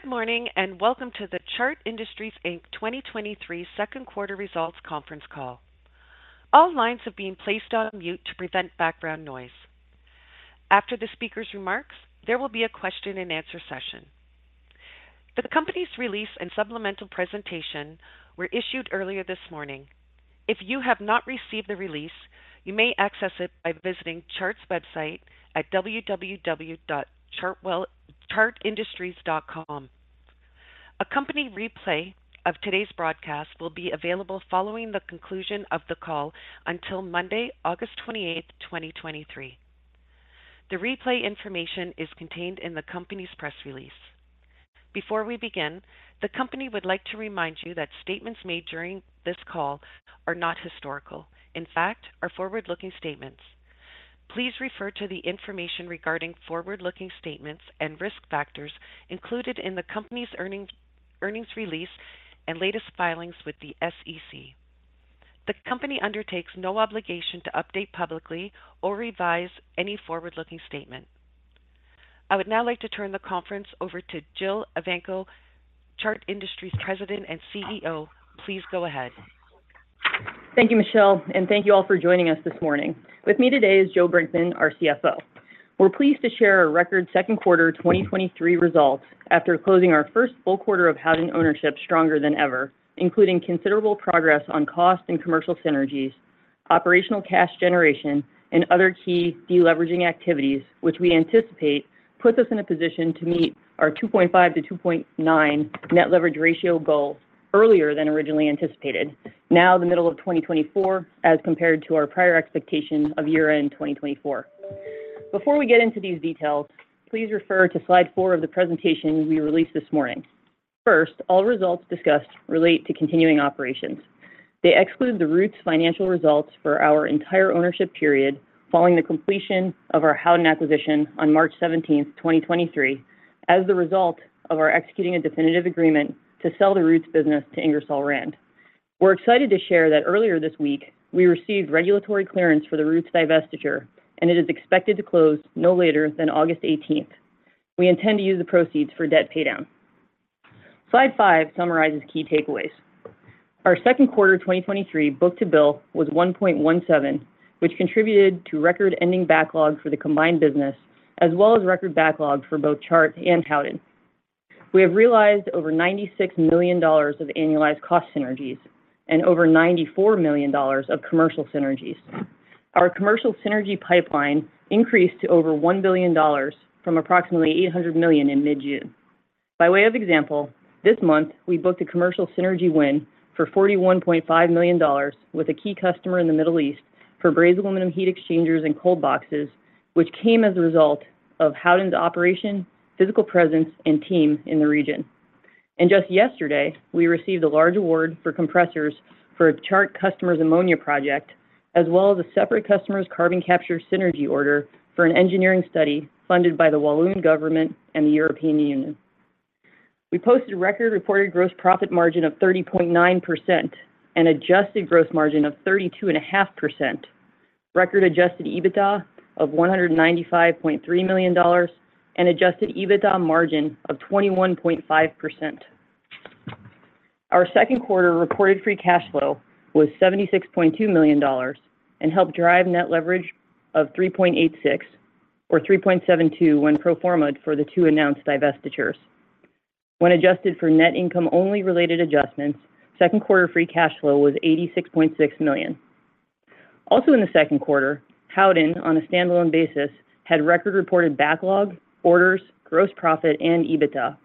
Good morning, welcome to the Chart Industries Inc. 2023 Q2 results Conference Call. All lines have been placed on mute to prevent background noise. After the speaker's remarks, there will be a question and answer session. The company's release and supplemental presentation were issued earlier this morning. If you have not received the release, you may access it by visiting Chart's website at www.chartindustries.com. A company replay of today's broadcast will be available following the conclusion of the call until Monday, August 28th, 2023. The replay information is contained in the company's press release. Before we begin, the company would like to remind you that statements made during this call are not historical, in fact, are forward-looking statements. Please refer to the information regarding forward-looking statements and risk factors included in the company's earnings, earnings release and latest filings with the SEC. The company undertakes no obligation to update publicly or revise any forward-looking statement. I would now like to turn the conference over to Jill Evanko, Chart Industries President and CEO. Please go ahead. Thank you, Michelle, and thank you all for joining us this morning. With me today is Joe Brinkman, our CFO. We're pleased to share our record Q2 2023 results after closing our first full quarter of Howden ownership stronger than ever, including considerable progress on cost and commercial synergies, operational cash generation, and other key deleveraging activities, which we anticipate puts us in a position to meet our 2.5-2.9 net leverage ratio goal earlier than originally anticipated, now the middle of 2024, as compared to our prior expectation of year-end 2024. Before we get into these details, please refer to Slide 4 of the presentation we released this morning. First, all results discussed relate to continuing operations. They exclude the Roots financial results for our entire ownership period, following the completion of our Howden acquisition on March 17th, 2023, as the result of our executing a definitive agreement to sell the Roots business to Ingersoll Rand. We're excited to share that earlier this week, we received regulatory clearance for the Roots divestiture, and it is expected to close no later than August 18th. We intend to use the proceeds for debt paydown. Slide 5 summarizes key takeaways. Our Q2 2023 book-to-bill was 1.17, which contributed to record-ending backlog for the combined business, as well as record backlog for both Chart and Howden. We have realized over $96 million of annualized cost synergies and over $94 million of commercial synergies. Our commercial synergy pipeline increased to over $1 billion from approximately $800 million in mid-June. By way of example, this month, we booked a commercial synergy win for $41.5 million with a key customer in the Middle East for brazed aluminum heat exchangers and cold boxes, which came as a result of Howden's operation, physical presence, and team in the region. Just yesterday, we received a large award for compressors for a Chart customer's ammonia project, as well as a separate customer's carbon capture synergy order for an engineering study funded by the Walloon Government and the European Union. We posted a record reported gross profit margin of 30.9% and adjusted gross margin of 32.5%, record adjusted EBITDA of $195.3 million, and adjusted EBITDA margin of 21.5%. Our Q2 reported free cash flow was $76.2 million and helped drive net leverage of 3.86 or 3.72 when pro forma'd for the 2 announced divestitures. When adjusted for net income only related adjustments, Q2 free cash flow was $86.6 million. Also in the Q2, Howden, on a standalone basis, had record reported backlog, orders, gross profit, and EBITDA.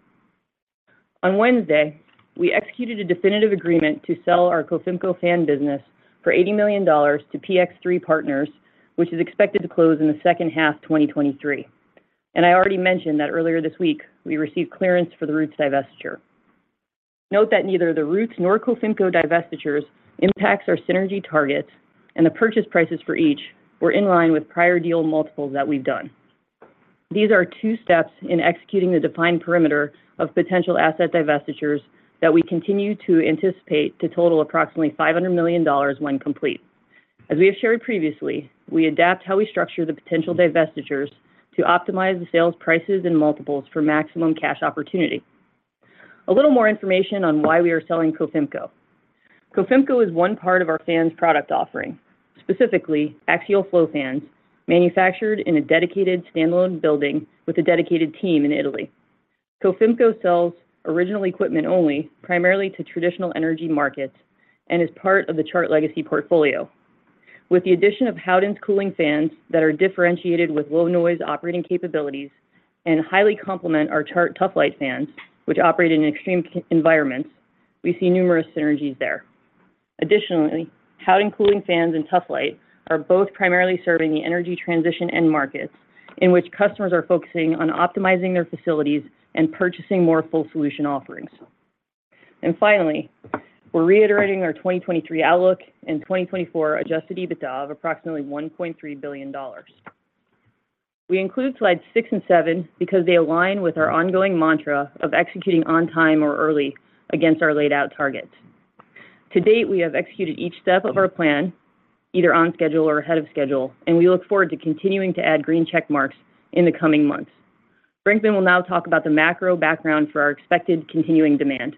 On Wednesday, we executed a definitive agreement to sell our Cofimco Fan business for $80 million to PX3 Partners, which is expected to close in the second half 2023. I already mentioned that earlier this week, we received clearance for the Roots divestiture. Note that neither the Roots nor Cofimco divestitures impacts our synergy targets, and the purchase prices for each were in line with prior deal multiples that we've done. These are two steps in executing the defined perimeter of potential asset divestitures that we continue to anticipate to total approximately $500 million when complete. As we have shared previously, we adapt how we structure the potential divestitures to optimize the sales prices and multiples for maximum cash opportunity. A little more information on why we are selling Cofimco. Cofimco is one part of our fans' product offering, specifically, axial flow fans manufactured in a dedicated standalone building with a dedicated team in Italy. Cofimco sells original equipment only, primarily to traditional energy markets, and is part of the Chart legacy portfolio. With the addition of Howden's cooling fans that are differentiated with low-noise operating capabilities and highly complement our Chart Tuf-Lite fans, which operate in extreme environments, we see numerous synergies there. Additionally, Howden cooling fans and Tuf-Lite are both primarily serving the energy transition end markets, in which customers are focusing on optimizing their facilities and purchasing more full solution offerings. Finally, we're reiterating our 2023 outlook and 2024 adjusted EBITDA of approximately $1.3 billion. We include Slides 6 and 7 because they align with our ongoing mantra of executing on time or early against our laid out targets. To date, we have executed each step of our plan either on schedule or ahead of schedule, and we look forward to continuing to add green check marks in the coming months. Brinkman will now talk about the macro background for our expected continuing demand.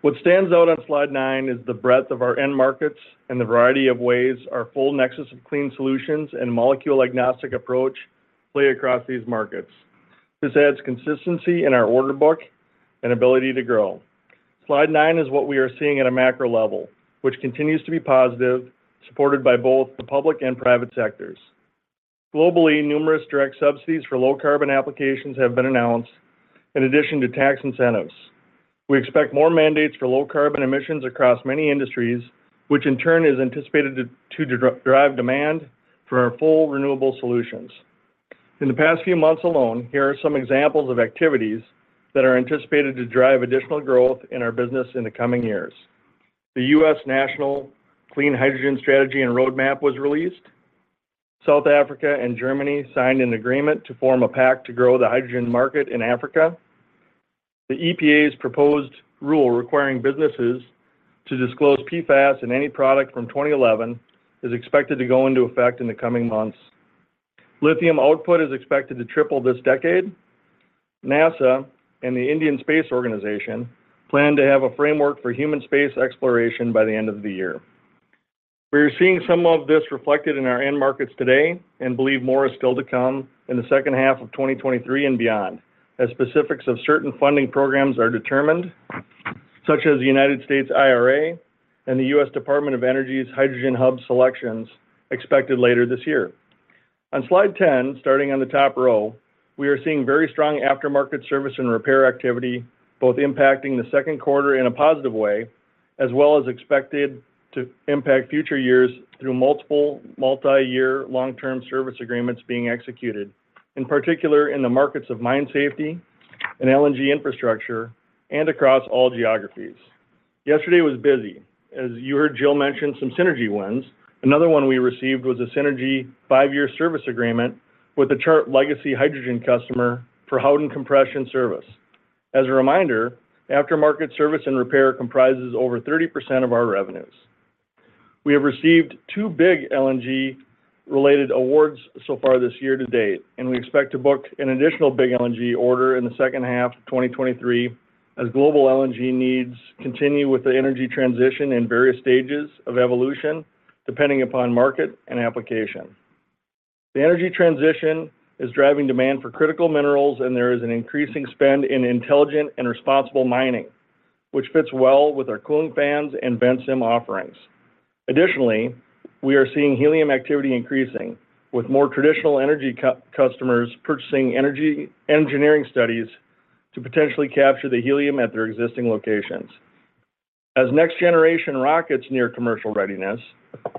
What stands out on Slide 9 is the breadth of our end markets and the variety of ways our full nexus of clean solutions and molecule-agnostic approach play across these markets. This adds consistency in our order book and ability to grow. Slide 9 is what we are seeing at a macro level, which continues to be positive, supported by both the public and private sectors. Globally, numerous direct subsidies for low-carbon applications have been announced, in addition to tax incentives. We expect more mandates for low carbon emissions across many industries, which in turn is anticipated to drive demand for our full renewable solutions. In the past few months alone, here are some examples of activities that are anticipated to drive additional growth in our business in the coming years. The U.S. National Clean Hydrogen Strategy and Roadmap was released. South Africa and Germany signed an agreement to form a pact to grow the hydrogen market in Africa. The EPA's proposed rule requiring businesses to disclose PFAS in any product from 2011 is expected to go into effect in the coming months. Lithium output is expected to triple this decade. NASA and the Indian Space Research Organisation plan to have a framework for human space exploration by the end of the year. We are seeing some of this reflected in our end markets today and believe more is still to come in the second half of 2023 and beyond, as specifics of certain funding programs are determined, such as the United States IRA and the U.S. Department of Energy's Hydrogen Hub selections expected later this year. On Slide 10, starting on the top row, we are seeing very strong aftermarket service and repair activity, both impacting the Q2 in a positive way, as well as expected to impact future years through multiple multi-year long-term service agreements being executed, in particular, in the markets of mine safety and LNG infrastructure and across all geographies. Yesterday was busy. As you heard, Jill mention some synergy wins. Another one we received was a synergy 5-year service agreement with the Chart legacy hydrogen customer for Howden Compression Service. As a reminder, aftermarket service and repair comprises over 30% of our revenues. We have received 2 big LNG-related awards so far this year to date, and we expect to book an additional big LNG order in the second half of 2023, as global LNG needs continue with the energy transition in various stages of evolution, depending upon market and application. The energy transition is driving demand for critical minerals, and there is an increasing spend in intelligent and responsible mining, which fits well with our cooling fans and Ventsim offerings. Additionally, we are seeing helium activity increasing, with more traditional energy customers purchasing engineering studies to potentially capture the helium at their existing locations. As next-generation rockets near commercial readiness,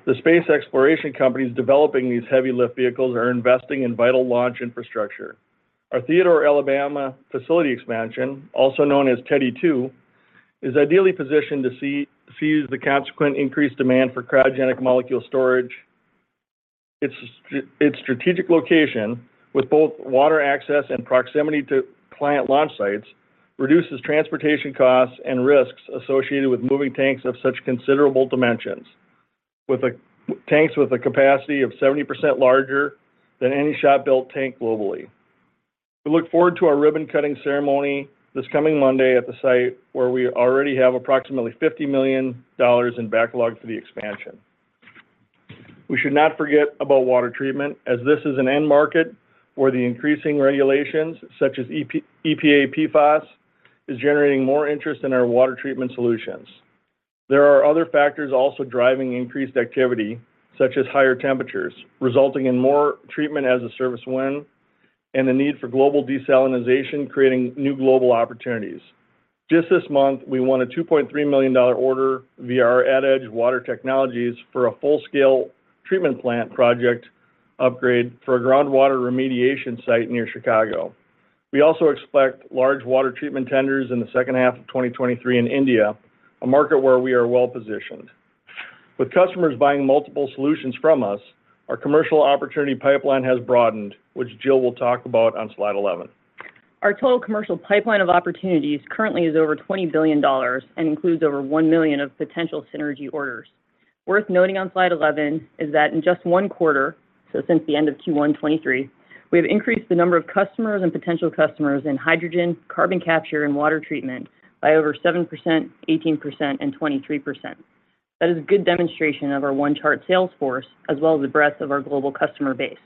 the space exploration companies developing these heavy lift vehicles are investing in vital launch infrastructure. Our Theodore, Alabama, facility expansion, also known as Teddy Two, is ideally positioned to seize the consequent increased demand for cryogenic molecule storage. Its strategic location, with both water access and proximity to client launch sites, reduces transportation costs and risks associated with moving tanks of such considerable dimensions, with tanks with a capacity of 70% larger than any shop-built tank globally. We look forward to our ribbon-cutting ceremony this coming Monday at the site, where we already have approximately $50 million in backlog for the expansion. We should not forget about water treatment, as this is an end market where the increasing regulations, such as EPA PFAS is generating more interest in our water treatment solutions. There are other factors also driving increased activity, such as higher temperatures, resulting in more treatment as a service win and the need for global desalination, creating new global opportunities. Just this month, we won a $2.3 million order via our AdEdge Water Technologies for a full-scale treatment plant project upgrade for a groundwater remediation site near Chicago. We also expect large water treatment tenders in the second half of 2023 in India, a market where we are well-positioned. With customers buying multiple solutions from us, our commercial opportunity pipeline has broadened, which Jill will talk about on Slide 11. Our total commercial pipeline of opportunities currently is over $20 billion. Includes over $1 million of potential synergy orders. Worth noting on Slide 11 is that in just Q1, so since the end of Q1 2023, we have increased the number of customers and potential customers in hydrogen, carbon capture, and water treatment by over 7%, 18%, and 23%. That is a good demonstration of our One Chart sales force, as well as the breadth of our global customer base.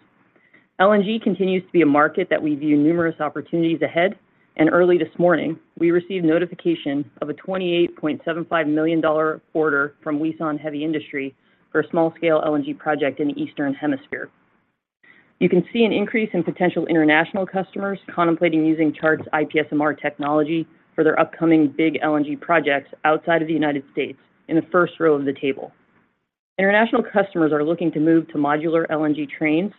LNG continues to be a market that we view numerous opportunities ahead. Early this morning, we received notification of a $28.75 million order from Wison Heavy Industry for a small-scale LNG project in the Eastern Hemisphere. You can see an increase in potential international customers contemplating using Chart's IPSMR technology for their upcoming big LNG projects outside of the United States in the first row of the table. International customers are looking to move to modular LNG trains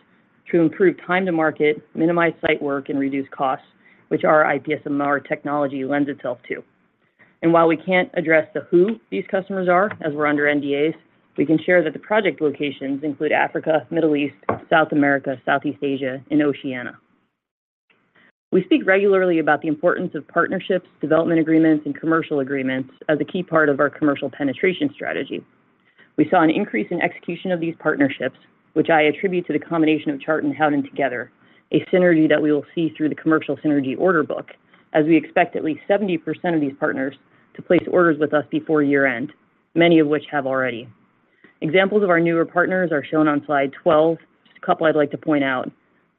to improve time to market, minimize site work, and reduce costs, which our IPSMR technology lends itself to. While we can't address the who these customers are, as we're under NDAs, we can share that the project locations include Africa, Middle East, South America, Southeast Asia, and Oceania. We speak regularly about the importance of partnerships, development agreements, and commercial agreements as a key part of our commercial penetration strategy. We saw an increase in execution of these partnerships, which I attribute to the combination of Chart and Howden together, a synergy that we will see through the commercial synergy order book, as we expect at least 70% of these partners to place orders with us before year-end, many of which have already. Examples of our newer partners are shown on Slide 12. Just a couple I'd like to point out: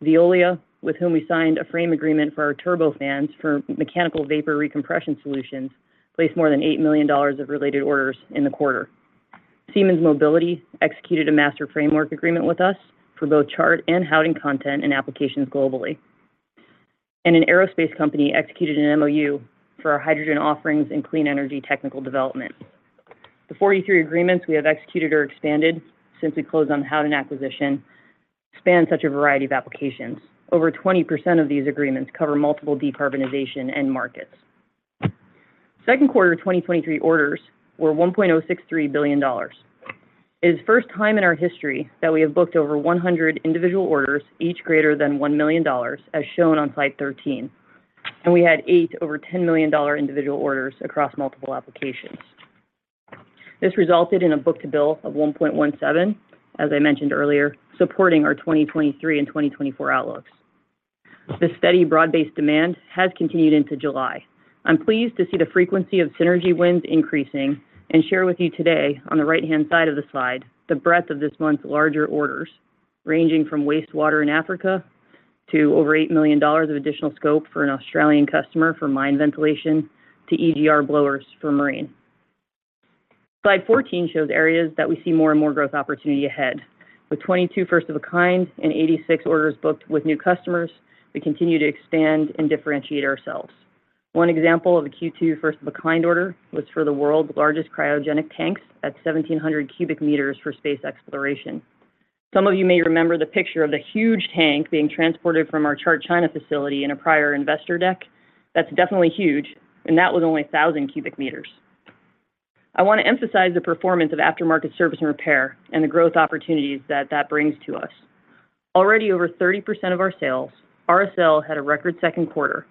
Veolia, with whom we signed a frame agreement for our turbofans for Mechanical Vapor Recompression solutions, placed more than $8 million of related orders in the quarter. Siemens Mobility executed a master framework agreement with us for both Chart and Howden content and applications globally. An aerospace company executed an MOU for our hydrogen offerings and clean energy technical development. The 43 agreements we have executed or expanded since we closed on the Howden acquisition span such a variety of applications. Over 20% of these agreements cover multiple decarbonization end markets. Q2 2023 orders were $1.063 billion. It is the first time in our history that we have booked over 100 individual orders, each greater than $1 million, as shown on Slide 13, and we had eight over $10 million individual orders across multiple applications. This resulted in a book-to-bill of 1.17, as I mentioned earlier, supporting our 2023 and 2024 outlooks. This steady, broad-based demand has continued into July. I'm pleased to see the frequency of synergy wins increasing and share with you today, on the right-hand side of the Slide, the breadth of this month's larger orders, ranging from wastewater in Africa to over $8 million of additional scope for an Australian customer for mine ventilation to EGR blowers for marine. Slide 14 shows areas that we see more and more growth opportunity ahead. With 22 first of a kind and 86 orders booked with new customers, we continue to expand and differentiate ourselves. One example of a Q2 first of a kind order was for the world's largest cryogenic tanks at 1,700 cubic meters for space exploration. Some of you may remember the picture of the huge tank being transported from our Chart China facility in a prior investor deck. That's definitely huge, and that was only 1,000 cubic meters. I want to emphasize the performance of aftermarket service and repair and the growth opportunities that that brings to us. Already over 30% of our sales, RSL had a record Q2.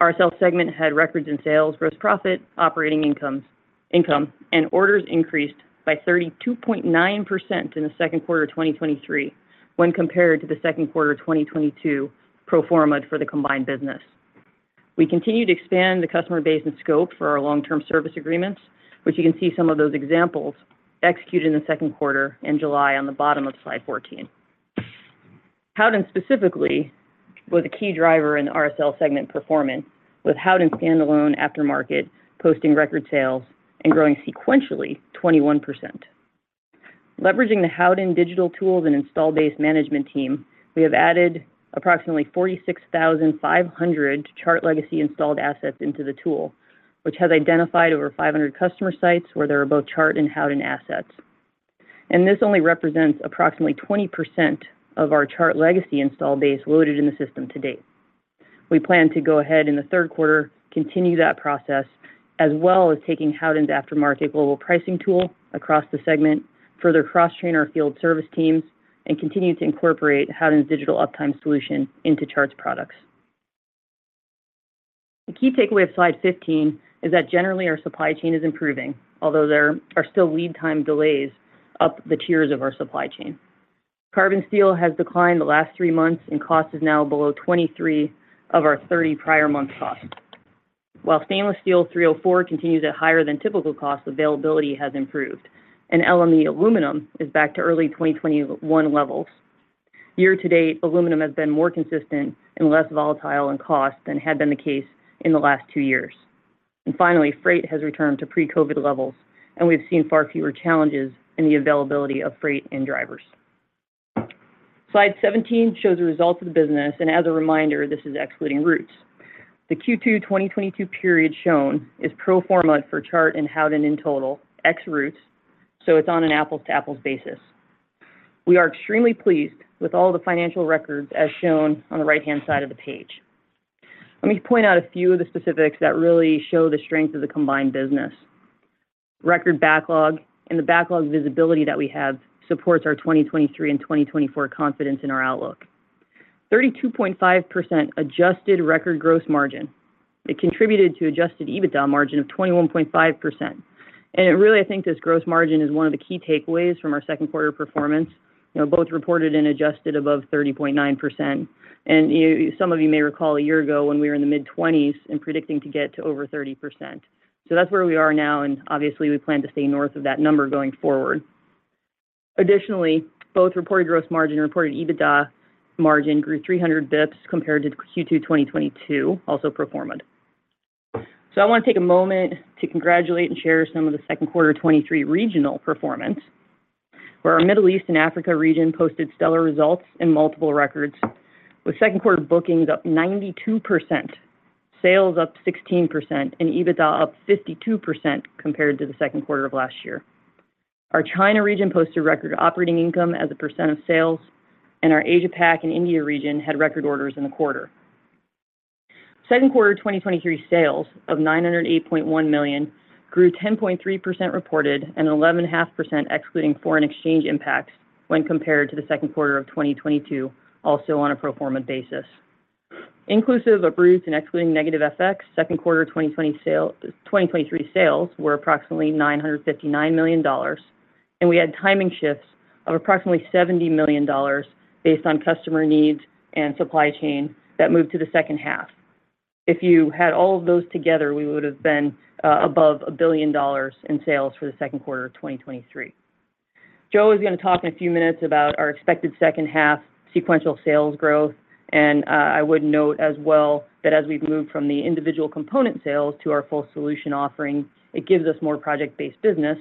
RSL segment had records in sales, gross profit, operating income, and orders increased by 32.9% in the Q2 of 2023 when compared to the Q2 of 2022 pro forma for the combined business. We continue to expand the customer base and scope for our long-term service agreements, which you can see some of those examples executed in the Q2 in July on the bottom of Slide 14. Howden specifically was a key driver in the RSL segment performance, with Howden standalone aftermarket posting record sales and growing sequentially 21%. Leveraging the Howden digital tools and install base management team, we have added approximately 46,500 Chart legacy installed assets into the tool, which has identified over 500 customer sites where there are both Chart and Howden assets. This only represents approximately 20% of our Chart legacy install base loaded in the system to date. We plan to go ahead in the Q3, continue that process, as well as taking Howden's aftermarket global pricing tool across the segment, further cross-train our field service teams, and continue to incorporate Howden's digital Uptime solution into Chart's products. The key takeaway of Slide 15 is that generally our supply chain is improving, although there are still lead time delays up the tiers of our supply chain. Carbon steel has declined the last 3 months, and cost is now below 23 of our 30 prior month costs. While Stainless Steel 304 continues at higher than typical cost, availability has improved, and LME aluminum is back to early 2021 levels. Year to date, aluminum has been more consistent and less volatile in cost than had been the case in the last 2 years. Finally, freight has returned to pre-COVID levels, and we've seen far fewer challenges in the availability of freight and drivers. Slide 17 shows the results of the business, and as a reminder, this is excluding Roots. The Q2 2022 period shown is pro forma for Chart and Howden in total, ex Roots, so it's on an apples-to-apples basis. We are extremely pleased with all the financial records as shown on the right-hand side of the page. Let me point out a few of the specifics that really show the strength of the combined business. Record backlog and the backlog visibility that we have supports our 2023 and 2024 confidence in our outlook. 32.5% adjusted record gross margin. It contributed to adjusted EBITDA margin of 21.5%. Really, I think this gross margin is one of the key takeaways from our Q2 performance, you know, both reported and adjusted above 30.9%. Some of you may recall a year ago when we were in the mid-twenties and predicting to get to over 30%. That's where we are now, and obviously, we plan to stay north of that number going forward. Additionally, both reported gross margin and reported EBITDA margin grew 300 basis points compared to Q2 2022, also pro forma. I want to take a moment to congratulate and share some of the Q2 2023 regional performance, where our Middle East and Africa Region posted stellar results and multiple records, with Q2 bookings up 92%, sales up 16%, and EBITDA up 52% compared to the Q2 of last year. Our Chart China Region posted record operating income as a percent of sales, and our APAC and India Region had record orders in the quarter. Q2 2023 sales of $908.1 million grew 10.3% reported and 11.5% excluding foreign exchange impacts when compared to the Q2 of 2022, also on a pro forma basis. Inclusive of Roots and excluding negative FX, Q2 2023 sales were approximately $959 million, and we had timing shifts of approximately $70 million based on customer needs and supply chain that moved to the second half. If you had all of those together, we would have been above $1 billion in sales for the Q2 of 2023. Joe is going to talk in a few minutes about our expected second half sequential sales growth. I would note as well, that as we've moved from the individual component sales to our full solution offering, it gives us more project-based business,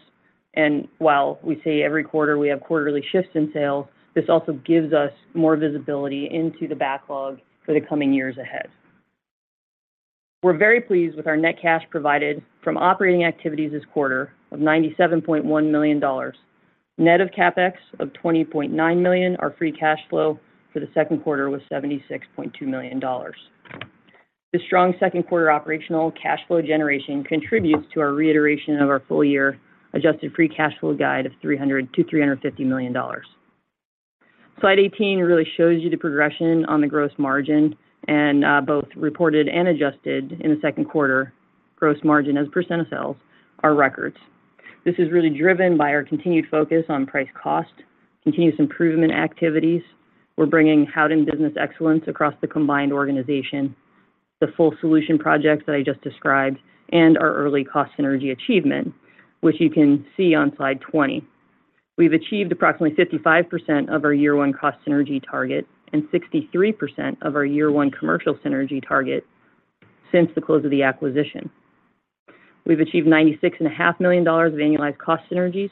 and while we say every quarter we have quarterly shifts in sales, this also gives us more visibility into the backlog for the coming years ahead. We're very pleased with our net cash provided from operating activities this quarter of $97.1 million. Net of CapEx of $20.9 million, our free cash flow for the Q2 was $76.2 million. The strong Q2 operational cash flow generation contributes to our reiteration of our full year adjusted free cash flow guide of $300 million-$350 million. Slide 18 really shows you the progression on the gross margin, both reported and adjusted in the Q2, gross margin as a % of sales are records. This is really driven by our continued focus on price cost, continuous improvement activities. We're bringing Howden Business Excellence across the combined organization, the full solution projects that I just described, and our early cost synergy achievement, which you can see on Slide 20. We've achieved approximately 55% of our year one cost synergy target and 63% of our year one commercial synergy target since the close of the acquisition. We've achieved $96.5 million of annualized cost synergies.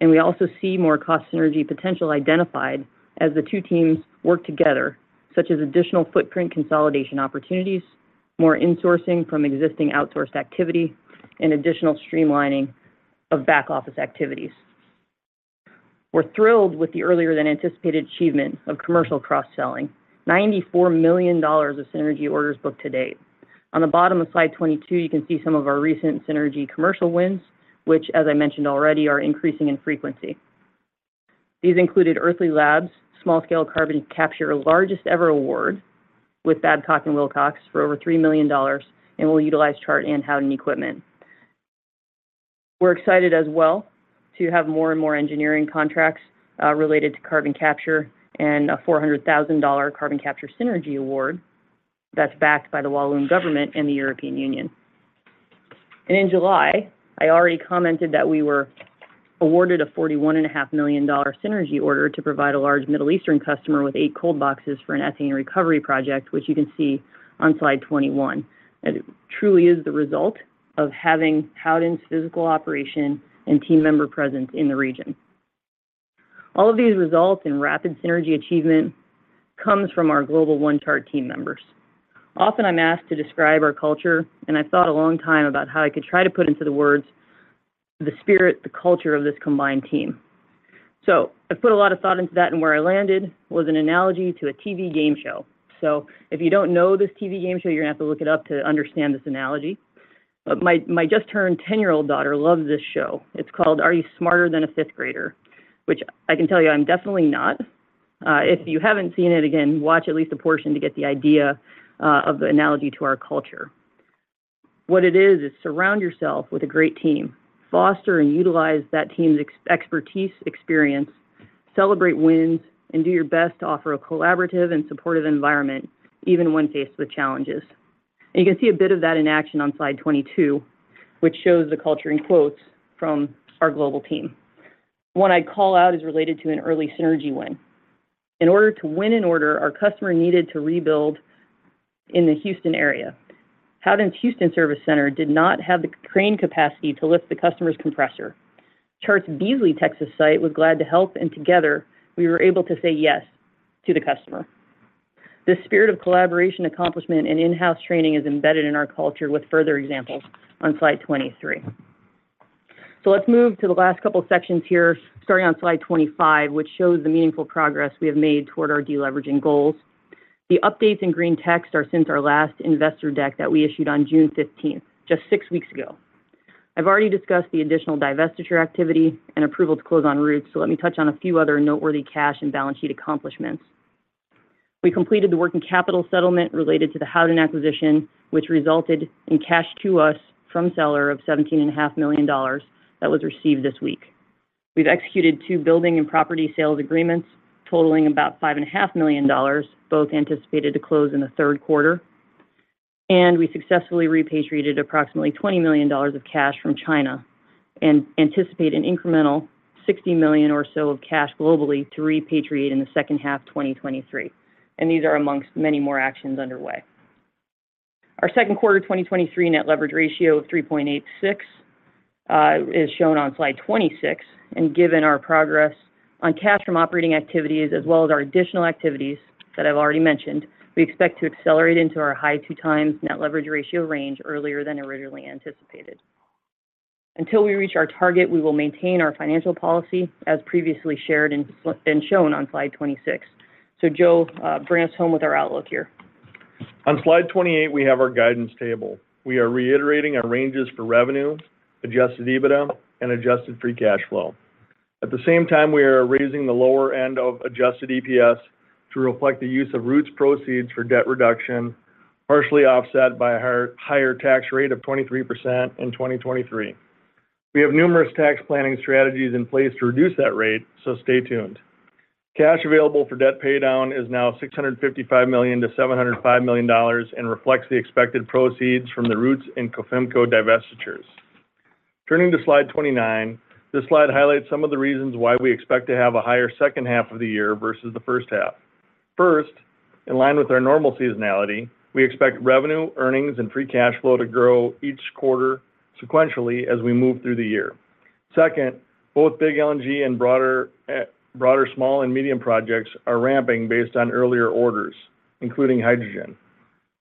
We also see more cost synergy potential identified as the two teams work together, such as additional footprint consolidation opportunities, more insourcing from existing outsourced activity, and additional streamlining of back-office activities. We're thrilled with the earlier than anticipated achievement of commercial cross-selling. $94 million of synergy orders booked to date. On the bottom of Slide 22, you can see some of our recent synergy commercial wins, which, as I mentioned already, are increasing in frequency. These included Earthly Labs, small-scale carbon capture, largest ever award with Babcock & Wilcox for over $3 million, and will utilize Chart and Howden equipment. We're excited as well to have more and more engineering contracts related to carbon capture and a $400,000 carbon capture synergy award that's backed by the Walloon Government and the European Union. In July, I already commented that we were awarded a $41.5 million synergy order to provide a large Middle Eastern customer with 8 cold boxes for an ethane recovery project, which you can see on Slide 21. It truly is the result of having Howden's physical operation and team member presence in the region. All of these results in rapid synergy achievement comes from our global One Chart team members. Often, I'm asked to describe our culture, and I thought a long time about how I could try to put into the words, the spirit, the culture of this combined team. I put a lot of thought into that, and where I landed was an analogy to a TV game show. If you don't know this TV game show, you're going to have to look it up to understand this analogy. My, my just-turned 10-year-old daughter loves this show. It's called, Are You Smarter Than a 5th Grader? Which I can tell you, I'm definitely not. If you haven't seen it, again, watch at least a portion to get the idea of the analogy to our culture. What it is, is surround yourself with a great team, foster and utilize that team's expertise, experience, celebrate wins, and do your best to offer a collaborative and supportive environment, even when faced with challenges. You can see a bit of that in action on Slide 22, which shows the culture in quotes from our global team. One I'd call out is related to an early synergy win. In order to win an order, our customer needed to rebuild in the Houston area. Howden's Houston Service Center did not have the crane capacity to lift the customer's compressor. Chart's Beasley, Texas, site was glad to help, and together, we were able to say yes to the customer. This spirit of collaboration, accomplishment, and in-house training is embedded in our culture with further examples on Slide 23. Let's move to the last couple of sections here, starting on Slide 25, which shows the meaningful progress we have made toward our deleveraging goals. The updates in green text are since our last investor deck that we issued on June 15th, just six weeks ago. I've already discussed the additional divestiture activity and approval to close on Roots, so let me touch on a few other noteworthy cash and balance sheet accomplishments. We completed the working capital settlement related to the Howden acquisition, which resulted in cash to us from seller of $17.5 million that was received this week. We've executed two building and property sales agreements totaling about $5.5 million, both anticipated to close in the Q3, and we successfully repatriated approximately $20 million of cash from China and anticipate an incremental $60 million or so of cash globally to repatriate in the second half 2023, and these are amongst many more actions underway. Our 2Q 2023 net leverage ratio of 3.86, is shown on Slide 26, and given our progress on cash from operating activities, as well as our additional activities that I've already mentioned, we expect to accelerate into our high 2 times net leverage ratio range earlier than originally anticipated. Until we reach our target, we will maintain our financial policy, as previously shared and shown on Slide 26. Joe, bring us home with our outlook here. On Slide 28, we have our guidance table. We are reiterating our ranges for revenue, adjusted EBITDA, and adjusted free cash flow. At the same time, we are raising the lower end of adjusted EPS to reflect the use of Roots proceeds for debt reduction, partially offset by a higher, higher tax rate of 23% in 2023. We have numerous tax planning strategies in place to reduce that rate, stay tuned. Cash available for debt paydown is now $655 million-$705 million and reflects the expected proceeds from the Roots and Cofimco divestitures. Turning to Slide 29, this slide highlights some of the reasons why we expect to have a higher second half of the year versus the first half. First, in line with our normal seasonality, we expect revenue, earnings, and free cash flow to grow each quarter sequentially as we move through the year. Second, both big LNG and broader, broader small and medium projects are ramping based on earlier orders, including hydrogen.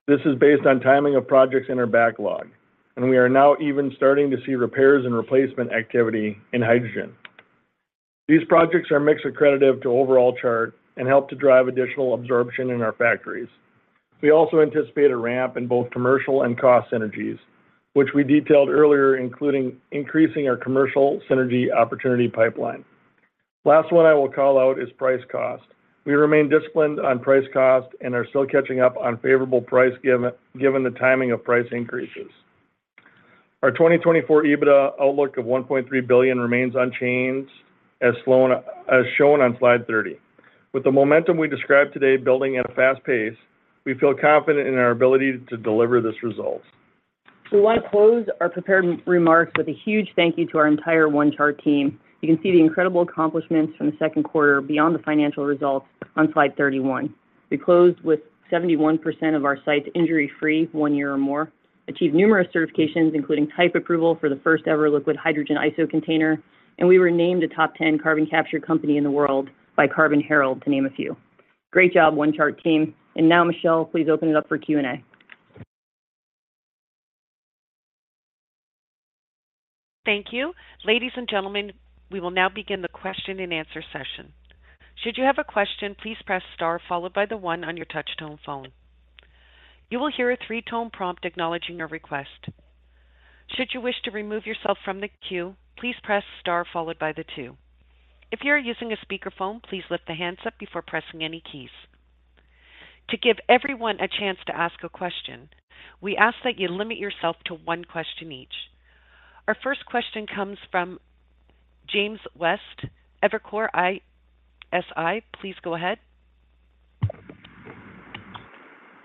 This is based on timing of projects in our backlog, and we are now even starting to see repairs and replacement activity in hydrogen. These projects are mix accretive to overall Chart and help to drive additional absorption in our factories. We also anticipate a ramp in both commercial and cost synergies, which we detailed earlier, including increasing our commercial synergy opportunity pipeline. Last one I will call out is price cost. We remain disciplined on price cost and are still catching up on favorable price given, given the timing of price increases. Our 2024 EBITDA outlook of $1.3 billion remains unchanged, as shown on Slide 30. With the momentum we described today building at a fast pace, we feel confident in our ability to deliver this result. We want to close our prepared remarks with a huge thank you to our entire One Chart team. You can see the incredible accomplishments from the Q2 beyond the financial results on Slide 31. We closed with 71% of our sites injury-free, 1 year or more, achieved numerous certifications, including type approval for the first-ever liquid hydrogen ISO container, and we were named a top 10 carbon capture company in the world by Carbon Herald, to name a few. Great job, One Chart team. Now, Michelle, please open it up for Q&A. Thank you. Ladies and gentlemen, we will now begin the question-and-answer session. Should you have a question, please press star followed by the one on your touch-tone phone. You will hear a three-tone prompt acknowledging your request. Should you wish to remove yourself from the queue, please press star followed by the two. If you are using a speakerphone, please lift the handset before pressing any keys. To give everyone a chance to ask a question, we ask that you limit yourself to one question each. Our first question comes from James West, Evercore ISI. Please go ahead.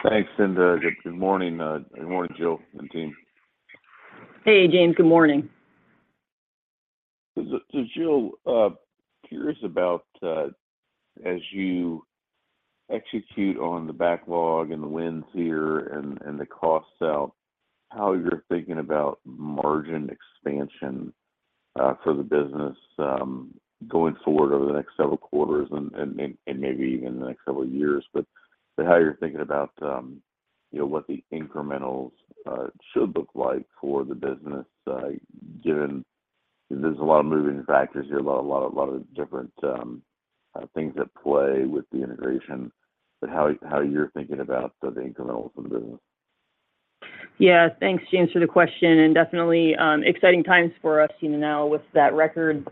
Thanks, Michelle. Good morning. Good morning, Jill and team. Hey, James. Good morning. Jill, curious about, as you execute on the backlog and the wins here and, and the costs out, how you're thinking about margin expansion for the business going forward over the next several quarters and, and, and maybe even the next couple of years, how you're thinking about, you know, what the incrementals should look like for the business, given there's a lot of moving factors here, a lot, a lot of different things at play with the integration, but how you, how you're thinking about the incrementals of the business? Yeah. Thanks, James, for the question, and definitely, exciting times for us, you know, now with that record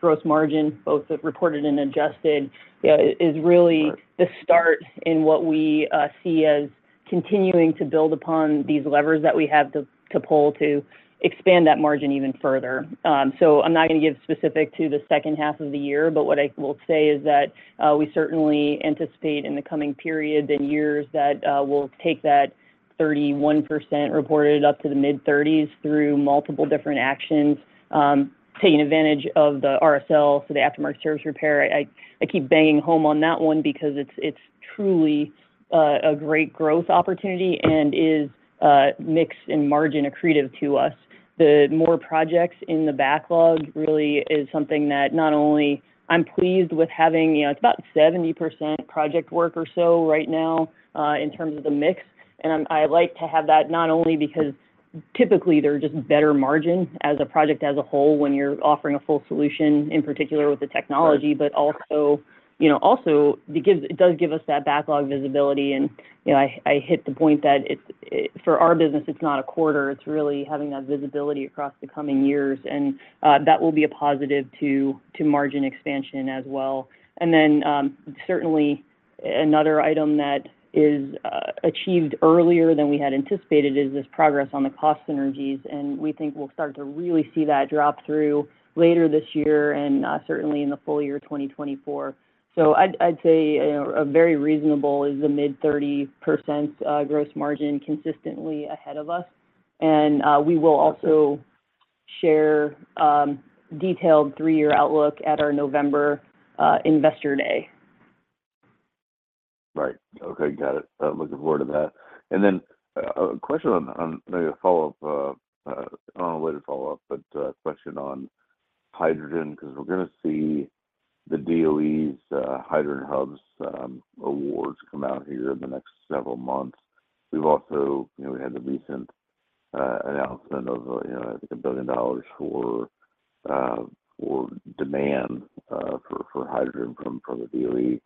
gross margin, both reported and adjusted, is really the start in what we see as continuing to build upon these levers that we have to pull to expand that margin even further. So I'm not going to get specific to the second half of the year, but what I will say is that we certainly anticipate in the coming periods and years that we'll take that 31% reported up to the mid-30s through multiple different actions, taking advantage of the RSL, so the aftermarket service repair. I, I keep banging home on that one because it's, it's truly a great growth opportunity and is mix and margin accretive to us. The more projects in the backlog really is something that not only I'm pleased with having, you know, it's about 70% project work or so right now, in terms of the mix. I like to have that not only because typically, they're just better margin as a project as a whole when you're offering a full solution, in particular with the technology, but also, you know, also, it does give us that backlog visibility. I, I hit the point that for our business, it's not a quarter, it's really having that visibility across the coming years, and that will be a positive to, to margin expansion as well. Then, certainly another item that is achieved earlier than we had anticipated is this progress on the cost synergies, and we think we'll start to really see that drop through later this year and certainly in the full year 2024. I'd say, you know, a very reasonable is the mid-30% gross margin consistently ahead of us. We will also share detailed 3-year outlook at our November Investor Day. Right. Okay, got it. I'm looking forward to that. Then, a question on maybe a follow-up, I don't know what a follow-up, but a question on hydrogen, 'cause we're gonna see the DOE's Hydrogen Hubs awards come out here in the next several months. We've also, you know, had the recent announcement of, you know, I think $1 billion for demand for hydrogen from the DOE.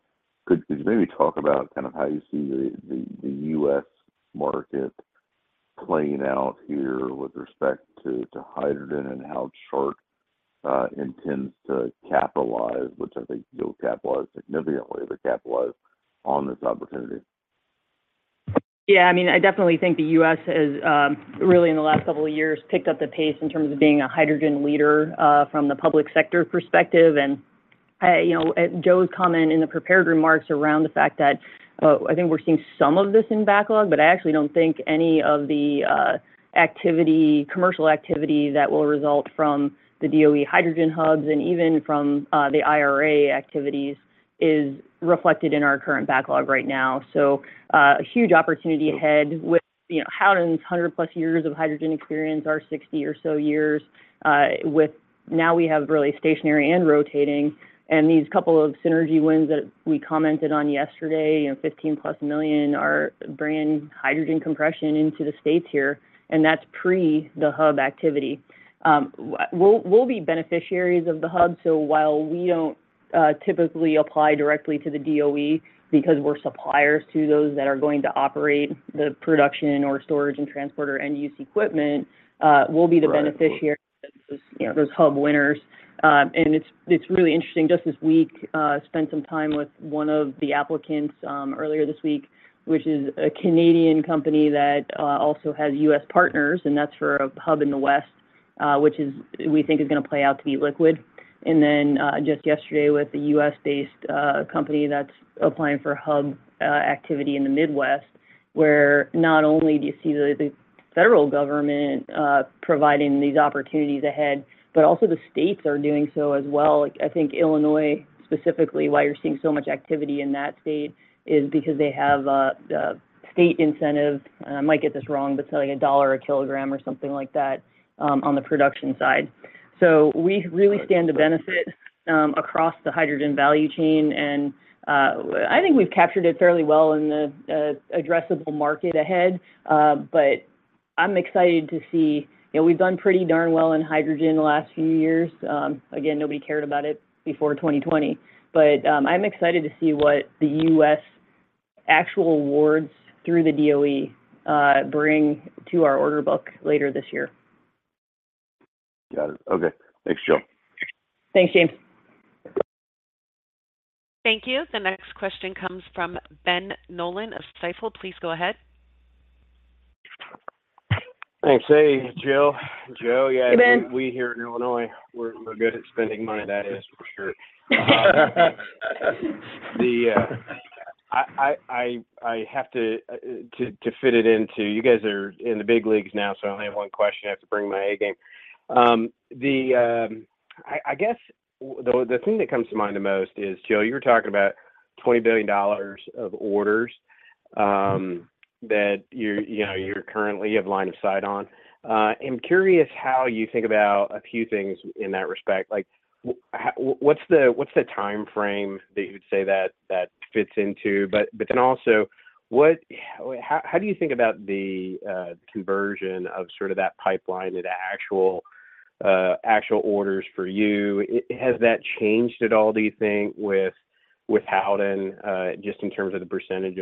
Could you maybe talk about kind of how you see the, the, the U.S. market playing out here with respect to, to hydrogen and how Chart intends to capitalize, which I think you'll capitalize significantly, but capitalize on this opportunity? Yeah, I mean, I definitely think the U.S. has, really in the last couple of years, picked up the pace in terms of being a hydrogen leader, from the public sector perspective. You know, Joe's comment in the prepared remarks around the fact that, I think we're seeing some of this in backlog, but I actually don't think any of the, activity, commercial activity that will result from the DOE Hydrogen Hubs and even from, the IRA activities is reflected in our current backlog right now. A huge opportunity ahead with, you know, Howden's 100-plus years of hydrogen experience, our 60 or so years, with now we have really stationary and rotating, and these couple of synergy wins that we commented on yesterday, you know, $15-plus million are bringing hydrogen compression into the U.S. here, and that's pre the hub activity. We'll, we'll be beneficiaries of the hub, so while we don't typically apply directly to the DOE because we're suppliers to those that are going to operate the production or storage and transporter end-use equipment, we'll be the beneficiary, you know, those Hub winners. It's, it's really interesting. Just this week, spent some time with one of the applicants, earlier this week, which is a Canadian company that also has U.S. partners, and that's for a Hub in the West, we think is gonna play out to be liquid. Then, just yesterday with a U.S.-based company that's applying for Hub activity in the Midwest, where not only do you see the, the federal government, providing these opportunities ahead, but also the states are doing so as well. Like, I think Illinois, specifically, why you're seeing so much activity in that state, is because they have a, a state incentive, and I might get this wrong, but it's like $1 a 1 kilogram or something like that, on the production side. So we really stand to benefit across the hydrogen value chain, and I think we've captured it fairly well in the addressable market ahead. I'm excited to see... You know, we've done pretty darn well in hydrogen the last few years. Again, nobody cared about it before 2020, but I'm excited to see what the U.S. actual awards through the DOE bring to our order book later this year. Got it. Okay. Thanks, Jill. Thanks, James. Thank you. The next question comes from Ben Nolan of Stifel. Please go ahead. Thanks. Hey, Jill, Joe. Yeah... Hey, Ben. We here in Illinois, we're, we're good at spending money, that is for sure. The, I have to fit it into, you guys are in the big leagues now, so I only have one question. I have to bring my A game. The, I guess the thing that comes to mind the most is, Jill, you were talking about $20 billion of orders, that you're, you know, you're currently have line of sight on. I'm curious how you think about a few things in that respect. Like, what's the time frame that you would say that fits into? Then also, what, how do you think about the conversion of sort of that pipeline to the actual, actual orders for you? Has that changed at all, do you think, with Howden, just in terms of the percentage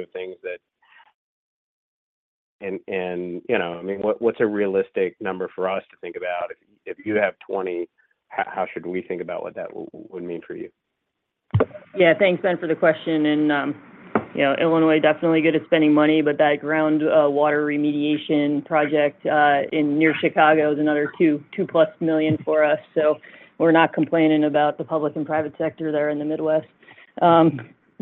of things that? You know, I mean, what, what's a realistic number for us to think about? If, if you have 20, how should we think about what that would mean for you? Yeah. Thanks, Ben, for the question, and, you know, Illinois, definitely good at spending money, but that ground water remediation project in near Chicago is another $2 million-plus for us. We're not complaining about the public and private sector there in the Midwest.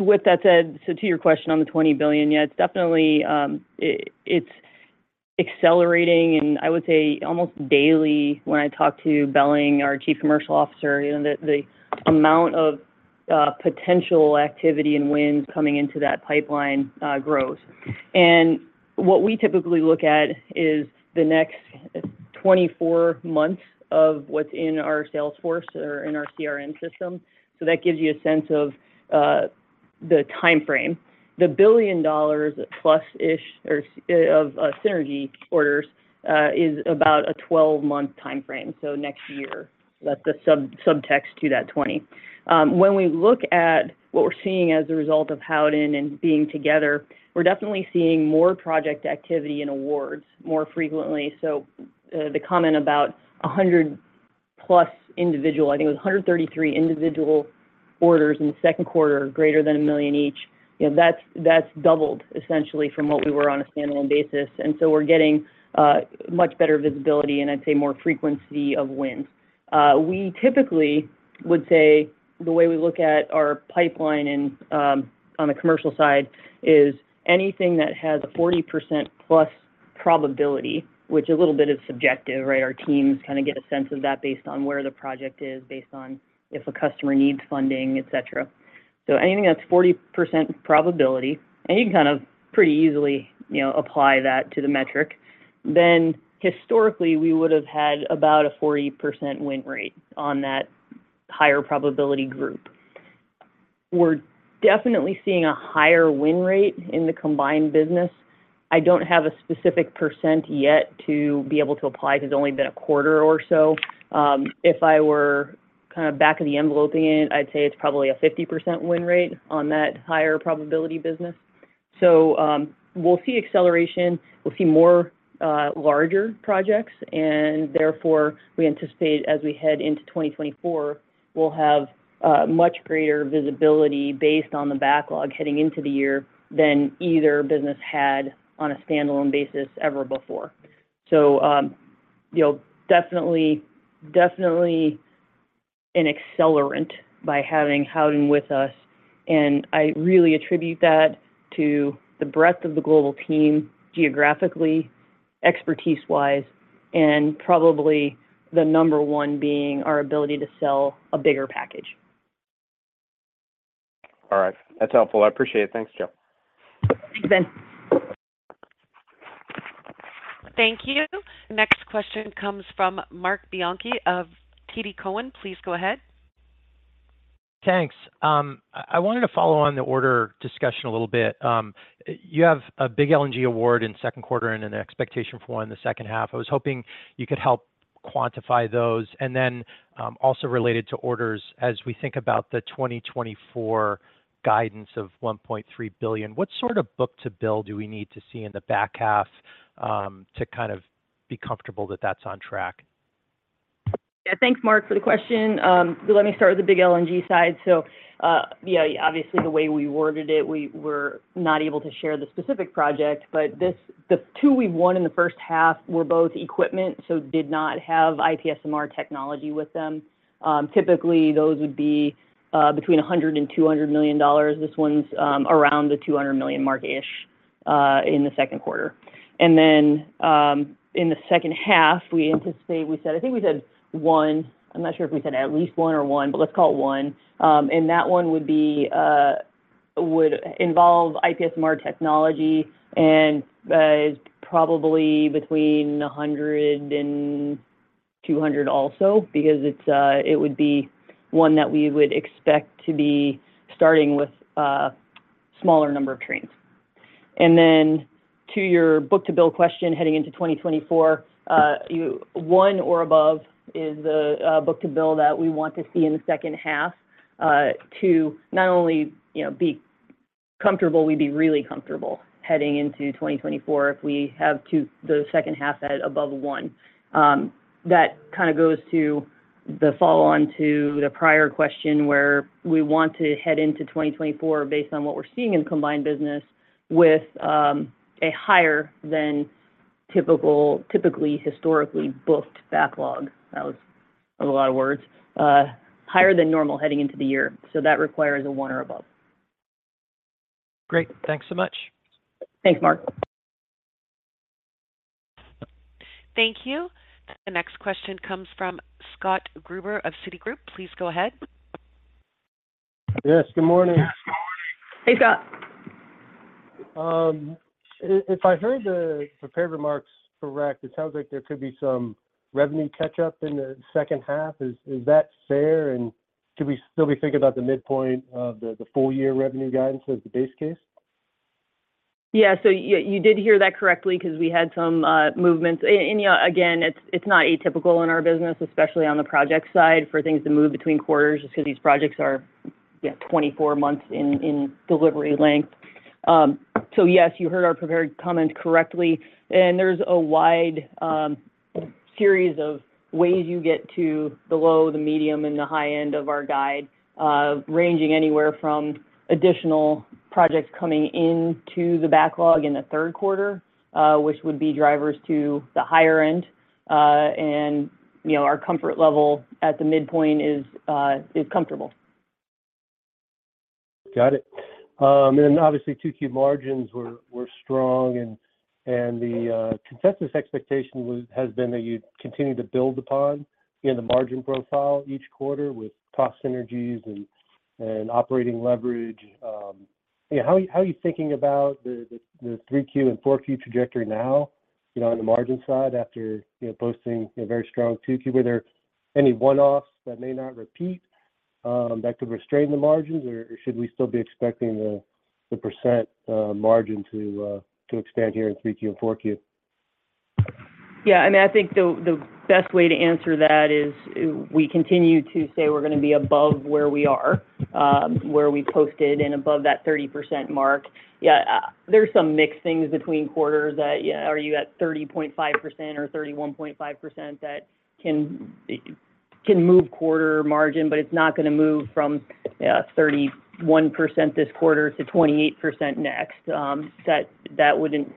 With that said, so to your question on the $20 billion, yeah, it's definitely, it's accelerating, and I would say almost daily, when I talk to Belling, our Chief Commercial Officer, you know, the, the amount of potential activity and wins coming into that pipeline grows. What we typically look at is the next 24 months of what's in our sales force or in our CRM system. That gives you a sense of the time frame. The $1 billion plus-ish, or, of synergy orders, is about a 12-month time frame, so next year. That's the sub, subtext to that 20. When we look at what we're seeing as a result of Howden and being together, we're definitely seeing more project activity and awards more frequently. The comment about 100+ individual, I think it was 133 individual orders in the Q2, greater than $1 million each, you know, that's, that's doubled essentially from what we were on a stand-alone basis. We're getting much better visibility, and I'd say more frequency of wins. We typically would say the way we look at our pipeline and on the commercial side is anything that has a 40%+ probability, which a little bit is subjective, right? Our teams kind of get a sense of that based on where the project is, based on if a customer needs funding, et cetera. Anything that's 40% probability, and you can kind of pretty easily, you know, apply that to the metric, then historically, we would've had about a 40% win rate on that higher probability group. We're definitely seeing a higher win rate in the combined business. I don't have a specific percent yet to be able to apply. It's only been a quarter or so. If I were kind of back-of-the-enveloping it, I'd say it's probably a 50% win rate on that higher probability business. we'll see acceleration, we'll see more larger projects, and therefore, we anticipate as we head into 2024, we'll have much greater visibility based on the backlog heading into the year than either business had on a standalone basis ever before. you know, definitely, definitely an accelerant by having Howden with us, and I really attribute that to the breadth of the global team, geographically, expertise-wise, and probably the number one being our ability to sell a bigger package. All right. That's helpful. I appreciate it. Thanks, Jill. Thanks, Ben. Thank you. Next question comes from Marc Bianchi of TD Cowen. Please go ahead. Thanks. I wanted to follow on the order discussion a little bit. You have a big LNG award in Q2 and an expectation for one in the second half. I was hoping you could help quantify those. Then, also related to orders, as we think about the 2024 guidance of $1.3 billion, what sort of book-to-bill do we need to see in the back half, to kind of be comfortable that that's on track? Thanks, Marc Bianchi, for the question. Let me start with the big LNG side. Obviously, the way we worded it, we were not able to share the specific project, but the 2 we won in the first half were both equipment, so did not have IPSMR technology with them. Typically, those would be between $100 million-$200 million. This one's around the $200 million mark-ish in the Q2. In the second half, we anticipate, we said, I think we said 1. I'm not sure if we said at least 1 or 1, but let's call it 1. That one would be, would involve IPSMR technology, it's probably between $100 million-$200 million also, because it's, it would be one that we would expect to be starting with a smaller number of trains. To your book-to-bill question, heading into 2024, 1 or above is the book-to-bill that we want to see in the second half, to not only, you know, be comfortable, we'd be really comfortable heading into 2024 if we have 2, the second half at above 1. That kind of goes to the follow-on to the prior question, where we want to head into 2024 based on what we're seeing in combined business with, a higher than typical, typically historically booked backlog. That was a lot of words. Higher than normal heading into the year, that requires a one or above. Great. Thanks so much. Thanks, Marc. Thank you. The next question comes from Scott Gruber of Citigroup. Please go ahead. Yes, good morning. Hey, Scott. If, if I heard the prepared remarks correct, it sounds like there could be some revenue catch-up in the second half. Is, is that fair, and should we still be thinking about the midpoint of the full-year revenue guidance as the base case? Yeah, so you did hear that correctly because we had some movements. Yeah, again, it's, it's not atypical in our business, especially on the project side, for things to move between quarters just because these projects are, yeah, 24 months in, in delivery length. Yes, you heard our prepared comments correctly, and there's a wide series of ways you get to the low, the medium, and the high end of our guide, ranging anywhere from additional projects coming into the backlog in the Q3, which would be drivers to the higher end, and, you know, our comfort level at the midpoint is comfortable. Got it. Then obviously, 2Q margins were, were strong, and, and the consensus expectation was, has been that you continue to build upon in the margin profile each quarter with cost synergies and, and operating leverage. Yeah, how are you, how are you thinking about the, the, the 3Q and 4Q trajectory now, you know, on the margin side after, you know, posting a very strong 2Q? Were there any one-offs that may not repeat, that could restrain the margins, or should we still be expecting the, the % margin to expand here in 3Q and 4Q? Yeah, I mean, I think the, the best way to answer that is we continue to say we're gonna be above where we are, where we posted and above that 30% mark. Yeah, there's some mixed things between quarters that, yeah, are you at 30.5% or 31.5% that can, can move quarter margin, but it's not gonna move from 31% this quarter to 28% next. That, that wouldn't,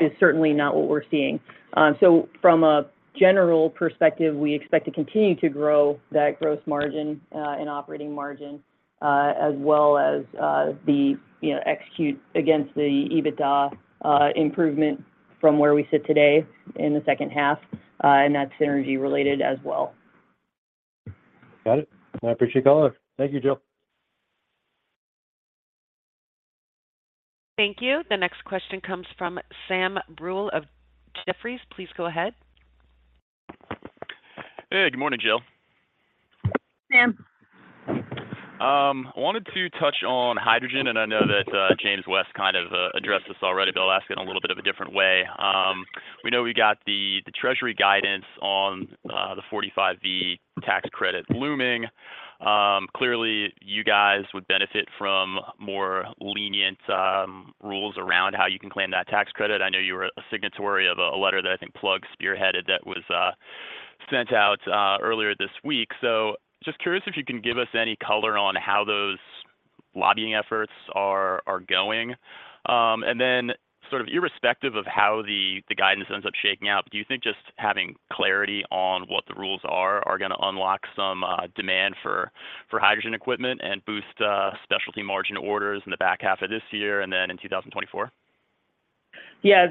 is certainly not what we're seeing. From a general perspective, we expect to continue to grow that gross margin, and operating margin, as well as, the, you know, execute against the EBITDA improvement from where we sit today in the second half, and that's synergy related as well. Got it. I appreciate the call. Thank you, Jill. Thank you. The next question comes from Sam Burwell of Jefferies. Please go ahead. Hey, good morning, Jill. Sam. I wanted to touch on hydrogen, and I know that James West kind of addressed this already, but I'll ask it in a little bit of a different way. We know we got the, the Treasury guidance on the 45V tax credit looming. Clearly, you guys would benefit from more lenient rules around how you can claim that tax credit. I know you were a signatory of a letter that I think Plug spearheaded that was sent out earlier this week. Just curious if you can give us any color on how those lobbying efforts are going? Then sort of irrespective of how the, the guidance ends up shaking out, do you think just having clarity on what the rules are, are gonna unlock some demand for, for hydrogen equipment and boost specialty margin orders in the back half of this year and then in 2024? Yeah,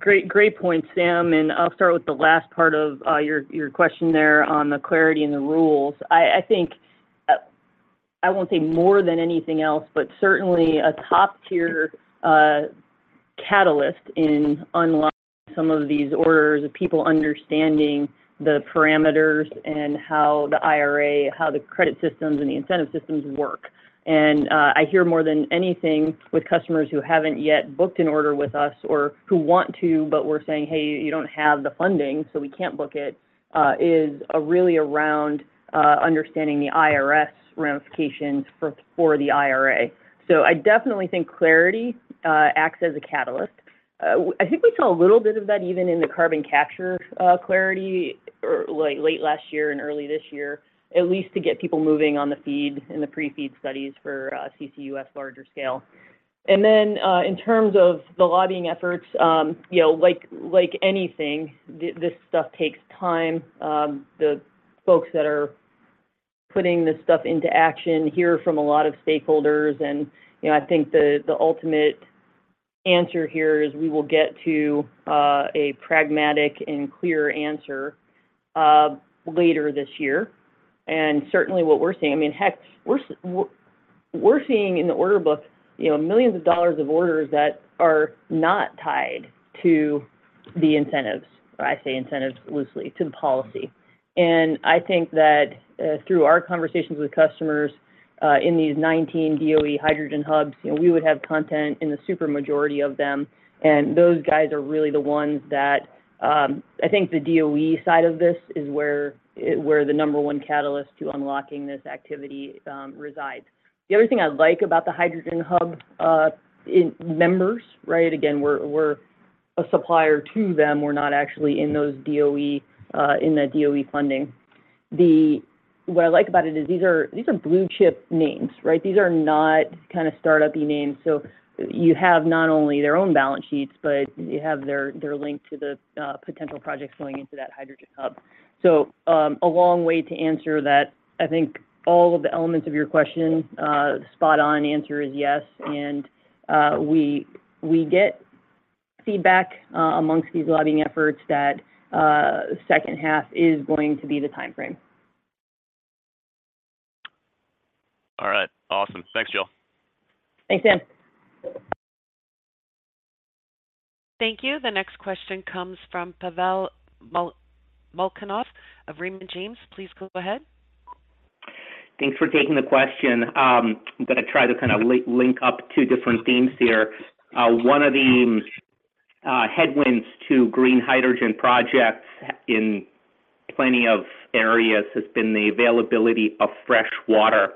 great, great point, Sam, and I'll start with the last part of your, your question there on the clarity and the rules. I, I think, I won't say more than anything else, but certainly a top-tier catalyst in unlocking some of these orders, people understanding the parameters and how the IRA, how the credit systems and the incentive systems work. I hear more than anything with customers who haven't yet booked an order with us or who want to, but we're saying, "Hey, you don't have the funding, so we can't book it," is really around understanding the IRS ramifications for, for the IRA. I definitely think clarity acts as a catalyst. I think we saw a little bit of that even in the carbon capture clarity or like late last year and early this year, at least to get people moving on the feed and the pre-feed studies for CCUS larger scale. Then, in terms of the lobbying efforts, you know, like anything, this stuff takes time. The folks that are putting this stuff into action hear from a lot of stakeholders, and, you know, I think the ultimate answer here is we will get to a pragmatic and clear answer later this year. Certainly what we're seeing. I mean, heck, we're seeing in the order book, you know, millions of dollars of orders that are not tied to the incentives, or I say incentives loosely, to the policy. I think that, through our conversations with customers, in these 19 DOE Hydrogen Hubs, you know, we would have content in the super majority of them. Those guys are really the ones that I think the DOE side of this is where, where the number one catalyst to unlocking this activity resides. The other thing I like about the Hydrogen Hub in members, right? Again, we're a supplier to them. We're not actually in those DOE, in the DOE funding. What I like about it is these are, these are blue chip names, right? These are not kind of startup-y names. You have not only their own balance sheets, but you have their, their link to the potential projects going into that hydrogen hub. A long way to answer that. I think all of the elements of your question, spot on, answer is yes. We, we get feedback, amongst these lobbying efforts that, second half is going to be the time frame. All right. Awesome. Thanks, Jill. Thanks, Sam. Thank you. The next question comes from Pavel Molchanov of Raymond James. Please go ahead. Thanks for taking the question. I'm gonna try to kind of link up two different themes here. One of the headwinds to green hydrogen projects in plenty of areas has been the availability of fresh water,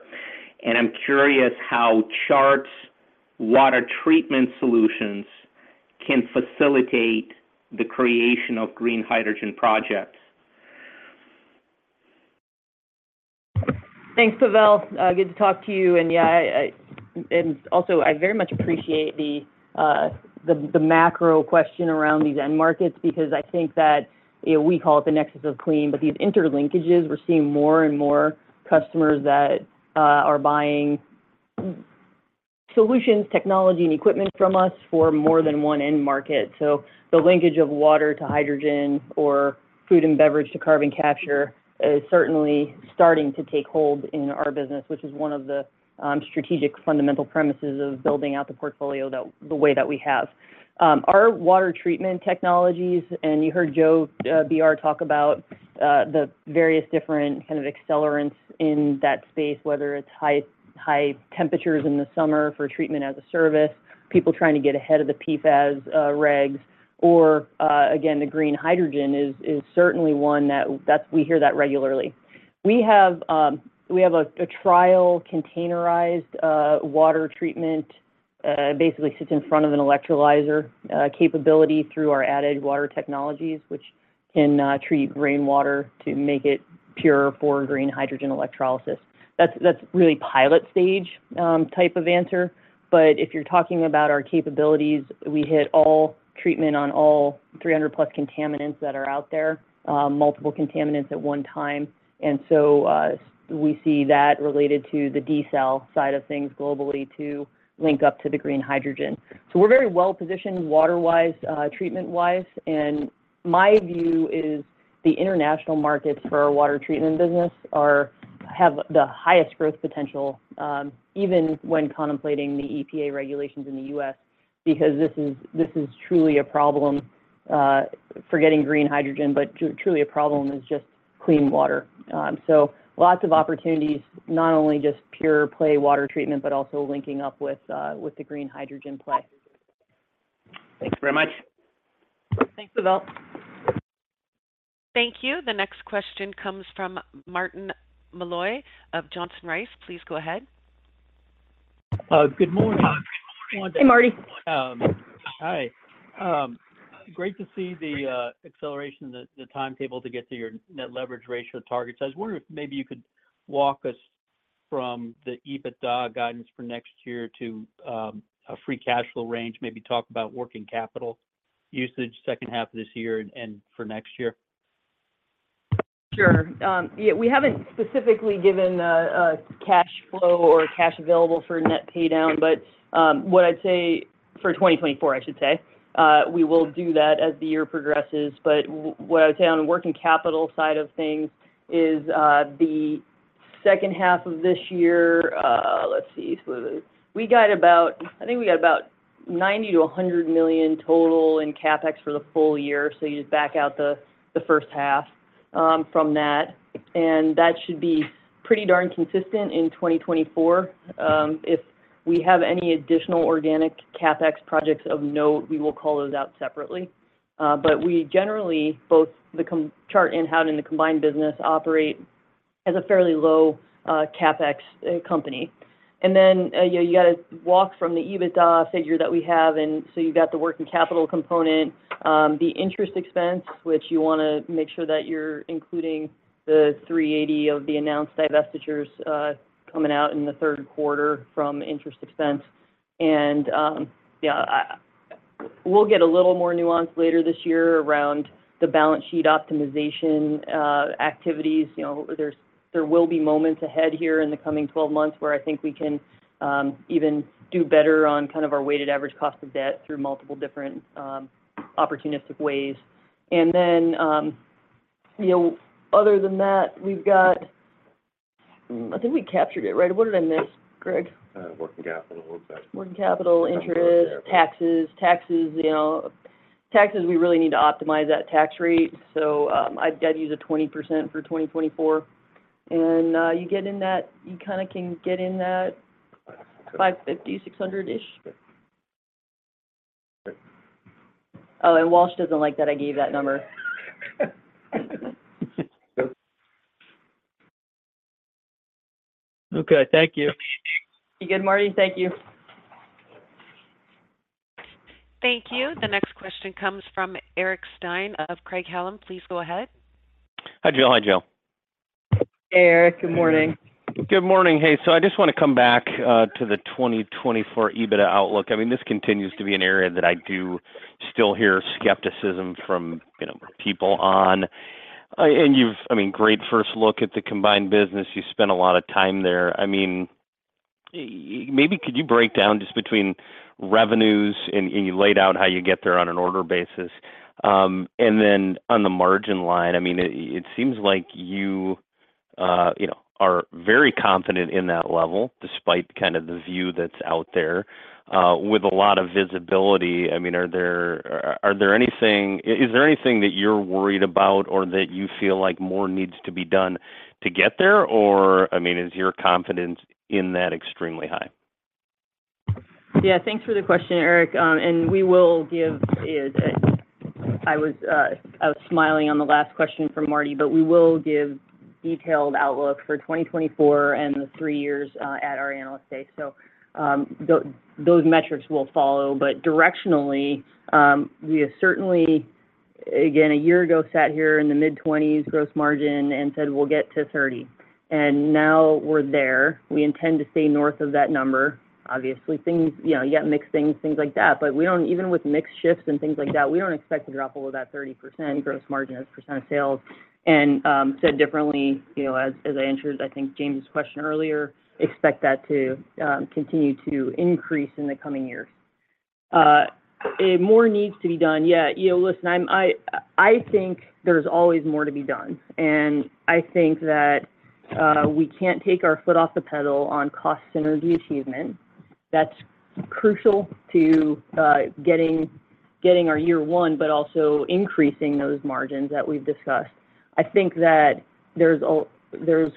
and I'm curious how Chart's water treatment solutions can facilitate the creation of green hydrogen projects. Thanks, Pavel. Good to talk to you. Yeah, I, I, and also, I very much appreciate the macro question around these end markets, because I think that, you know, we call it the nexus of clean, but these interlinkages, we're seeing more and more customers that are buying solutions, technology, and equipment from us for more than one end market. The linkage of water to hydrogen or food and beverage to carbon capture is certainly starting to take hold in our business, which is one of the strategic fundamental premises of building out the portfolio the way that we have. Our water treatment technologies, you heard Joe Bellinger talk about the various different kind of accelerants in that space, whether it's high, high temperatures in the summer for treatment as a service, people trying to get ahead of the PFAS regs, or again, the green hydrogen is certainly one that we hear that regularly. We have a trial containerized water treatment, basically sits in front of an electrolyzer, capability through our AdEdge Water Technologies, which can treat rainwater to make it pure for green hydrogen electrolysis. That's, that's really pilot stage type of answer, but if you're talking about our capabilities, we hit all treatment on all 300+ contaminants that are out there, multiple contaminants at one time. We see that related to the desal side of things globally to link up to the green hydrogen. We're very well positioned water-wise, treatment-wise, and my view is, the international markets for our water treatment business are, have the highest growth potential, even when contemplating the EPA regulations in the US, because this is, this is truly a problem for getting green hydrogen, but truly a problem is just clean water. Lots of opportunities, not only just pure play water treatment, but also linking up with the green hydrogen play. Thanks very much. Thanks, Pavel. Thank you. The next question comes from Martin Malloy of Johnson Rice. Please go ahead. Good morning. Hey, Martin. Hi. Great to see the acceleration, the, the timetable to get to your net leverage ratio targets. I was wondering if maybe you could walk us from the EBITDA guidance for next year to a free cash flow range, maybe talk about working capital usage second half of this year and, and for next year? Sure. Yeah, we haven't specifically given a cash flow or cash available for net pay down, but what I'd say for 2024, I should say, we will do that as the year progresses. What I'd say on the working capital side of things is the second half of this year. We got about, I think we got about $90 million-$100 million total in CapEx for the full year, so you just back out the first half from that, and that should be pretty darn consistent in 2024. If we have any additional organic CapEx projects of note, we will call those out separately. We generally, both Chart and Howden in the combined business, operate as a fairly low CapEx company. You know, you got to walk from the EBITDA figure that we have, so you've got the working capital component, the interest expense, which you want to make sure that you're including the $380 of the announced divestitures, coming out in the Q3 from interest expense. Yeah, I- we'll get a little more nuanced later this year around the balance sheet optimization, activities. You know, there's, there will be moments ahead here in the coming 12 months where I think we can, even do better on kind of our weighted average cost of debt through multiple different, opportunistic ways. You know, other than that, we've got... I think we captured it, right? What did I miss, Greg? Working capital. Working capital, interest-... taxes. taxes. Taxes, you know, taxes, we really need to optimize that tax rate. I'd use a 20% for 2024, and you get in that. $550. $550, $600-ish. Yeah. Walsh doesn't like that I gave that number. Okay, thank you. You good, Martin. Thank you. Thank you. The next question comes from Eric Stine of Craig-Hallum. Please go ahead. Hi, Jill. Hi, Jill. Hey, Eric. Good morning. Good morning. Hey, I just want to come back to the 2024 EBITDA outlook. I mean, this continues to be an area that I do still hear skepticism from, you know, people on. I mean, great first look at the combined business. You spent a lot of time there. I mean, maybe could you break down just between revenues, and you laid out how you get there on an order basis. Then on the margin line, I mean, it, it seems like you, you know, are very confident in that level, despite kind of the view that's out there, with a lot of visibility. I mean, Is there anything that you're worried about or that you feel like more needs to be done to get there? I mean, is your confidence in that extremely high? Yeah, thanks for the question, Eric. We will give a, I was smiling on the last question from Marty, we will give detailed outlook for 2024 and the 3 years at our Investor Day. Those metrics will follow. Directionally, we have certainly, again, a year ago, sat here in the mid-20s gross margin and said, "We'll get to 30," and now we're there. We intend to stay north of that number. Obviously, things, you know, you got mix things, things like that, we don't expect to drop below that 30% gross margin as a % of sales. Said differently, you know, as, as I answered, I think, James's question earlier, expect that to continue to increase in the coming years. More needs to be done. Yeah, you know, listen, I think there's always more to be done, and I think that we can't take our foot off the pedal on cost synergy achievement. That's crucial to getting, getting our year one, but also increasing those margins that we've discussed. I think that there's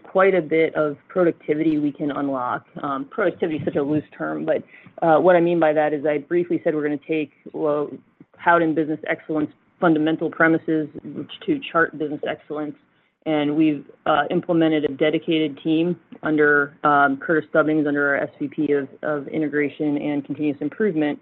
quite a bit of productivity we can unlock. Productivity is such a loose term, but what I mean by that is, I briefly said we're going to take, well, Howden Business Excellence fundamental premises to Chart business excellence, and we've implemented a dedicated team under Curtis Stubbings, under our SVP of, of Integration and Continuous Improvement,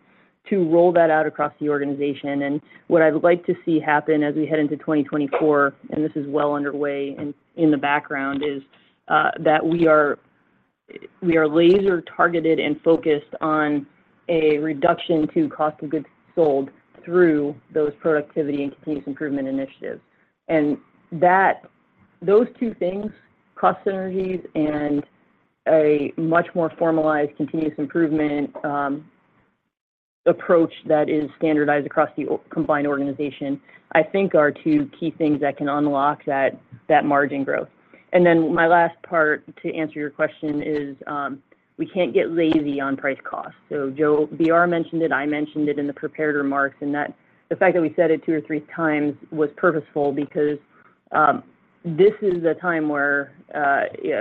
to roll that out across the organization. What I would like to see happen as we head into 2024, and this is well underway in, in the background, is that we are, we are laser targeted and focused on a reduction to cost of goods sold through those productivity and continuous improvement initiatives. That, those two things, cost synergies and a much more formalized continuous improvement approach that is standardized across the combined organization, I think are two key things that can unlock that, that margin growth. Then my last part, to answer your question, is, we can't get lazy on price cost. Joe Brinkman mentioned it, I mentioned it in the prepared remarks, and that the fact that we said it 2 or 3 times was purposeful because this is a time where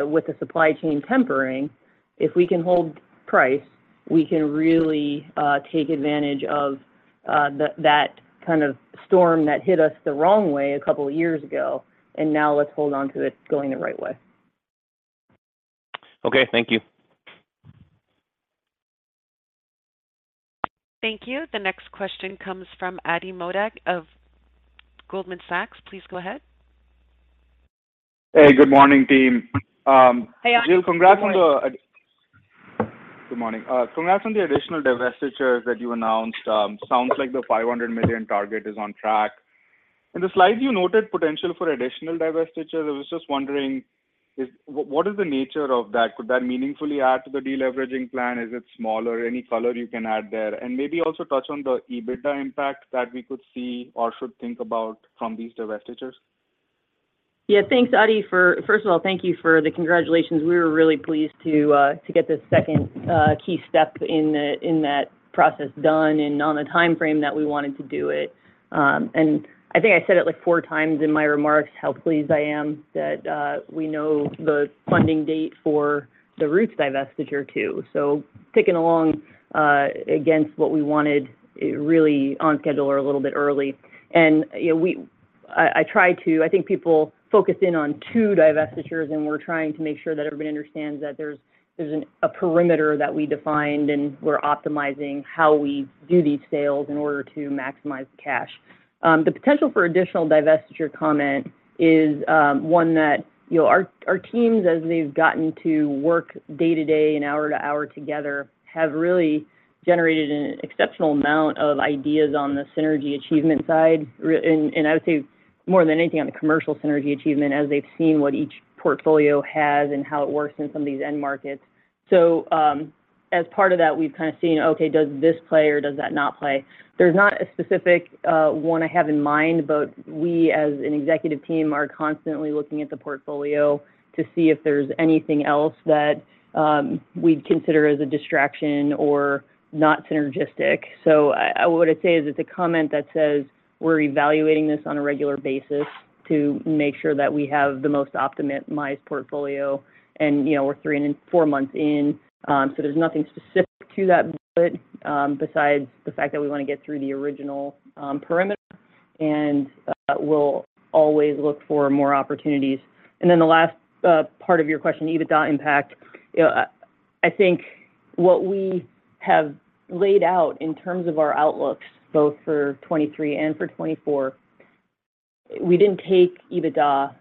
with the supply chain tempering, if we can hold price, we can really take advantage of the that kind of storm that hit us the wrong way 2 years ago, and now let's hold on to it going the right way. Okay, thank you. Thank you. The next question comes from Ati Modak of Goldman Sachs. Please go ahead. Hey, good morning, team. Hi, Ati. Good morning. Jill, congrats on the. Good morning. Congrats on the additional divestitures that you announced. Sounds like the $500 million target is on track. In the slides, you noted potential for additional divestitures. I was just wondering, what is the nature of that? Could that meaningfully add to the deleveraging plan? Is it small, or any color you can add there? Maybe also touch on the EBITDA impact that we could see or should think about from these divestitures? Yeah, thanks, Ati. First of all, thank you for the congratulations. We were really pleased to get this second key step in the, in that process done and on the timeframe that we wanted to do it. I think I said it like four times in my remarks, how pleased I am that we know the funding date for the Roots divestiture, too. Ticking along against what we wanted, really on schedule or a little bit early. You know, I try to. I think people focus in on two divestitures, and we're trying to make sure that everybody understands that there's, there's a perimeter that we defined, and we're optimizing how we do these sales in order to maximize the cash. The potential for additional divestiture comment is, one that, you know, our, our teams, as they've gotten to work day to day and hour to hour together, have really generated an exceptional amount of ideas on the synergy achievement side, and, and I would say more than anything, on the commercial synergy achievement, as they've seen what each portfolio has and how it works in some of these end markets. As part of that, we've kind of seen, okay, does this play or does that not play? There's not a specific, one I have in mind, but we, as an executive team, are constantly looking at the portfolio to see if there's anything else that, we'd consider as a distraction or not synergistic. I, what I'd say is it's a comment that says we're evaluating this on a regular basis to make sure that we have the most optimized portfolio, and, you know, we're 3 and 4 months in, so there's nothing specific to that bullet, besides the fact that we want to get through the original perimeter, and, we'll always look for more opportunities. Then the last part of your question, EBITDA impact. I think what we have laid out in terms of our outlooks, both for 2023 and for 2024, we didn't take EBITDA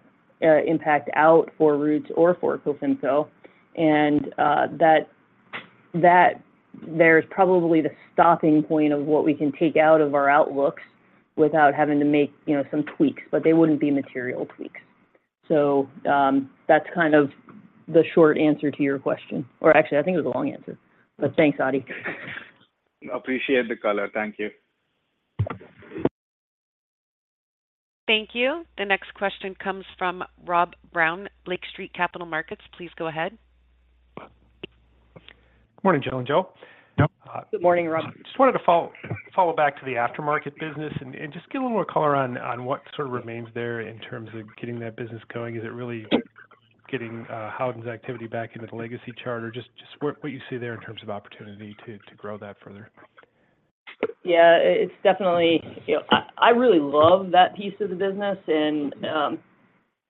impact out for Roots or for Cofimco, and, that, that there's probably the stopping point of what we can take out of our outlooks without having to make, you know, some tweaks, but they wouldn't be material tweaks. That's kind of the short answer to your question. Actually, I think it was a long answer, but thanks, Ati. Appreciate the color. Thank you. Thank you. The next question comes from Robert Brown, Lake Street Capital Markets. Please go ahead. Good morning, Jill and Joe. Good morning, Rob. Just wanted to follow, follow back to the aftermarket business and, and just get a little more color on, on what sort of remains there in terms of getting that business going. Is it really getting, Howden's activity back into the legacy Chart or just, just what, what you see there in terms of opportunity to, to grow that further? Yeah, it, it's definitely. You know, I, I really love that piece of the business, and I,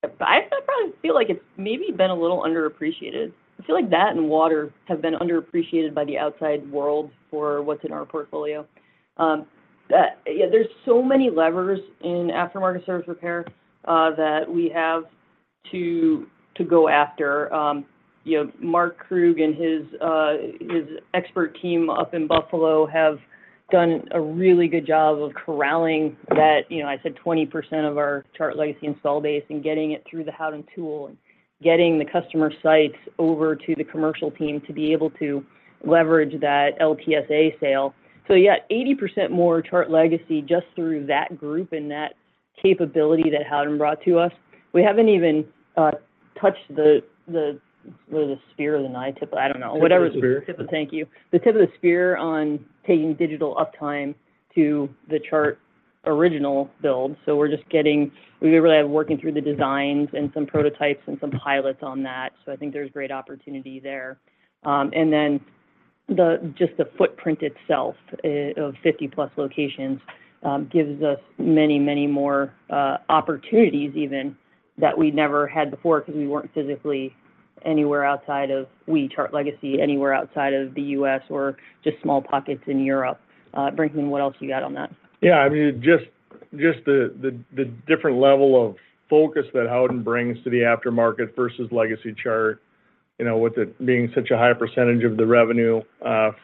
I probably feel like it's maybe been a little underappreciated. I feel like that and water have been underappreciated by the outside world for what's in our portfolio. That, yeah, there's so many levers in aftermarket service repair, that we have to, to go after. You know, Mark Krug and his, his expert team up in Buffalo have done a really good job of corraling that, you know, I said 20% of our Chart legacy install base and getting it through the Howden tool and getting the customer sites over to the commercial team to be able to leverage that LTSA sale. Yeah, 80% more Chart legacy just through that group and that capability that Howden brought to us. We haven't even touched the, the, the spear or the knife tip, I don't know, whatever. The spear. Thank you. The tip of the spear on taking digital Uptime to the Chart original build. We're just getting, we really are working through the designs and some prototypes and some pilots on that, so I think there's great opportunity there. Then the, just the footprint itself, of 50-plus locations, gives us many, many more opportunities even that we never had before because we weren't physically anywhere outside of we, Chart Legacy, anywhere outside of the U.S. or just small pockets in Europe. Brinkman, what else you got on that? Yeah, I mean, just, just the different level of focus that Howden brings to the aftermarket versus legacy Chart, you know, with it being such a high percentage of the revenue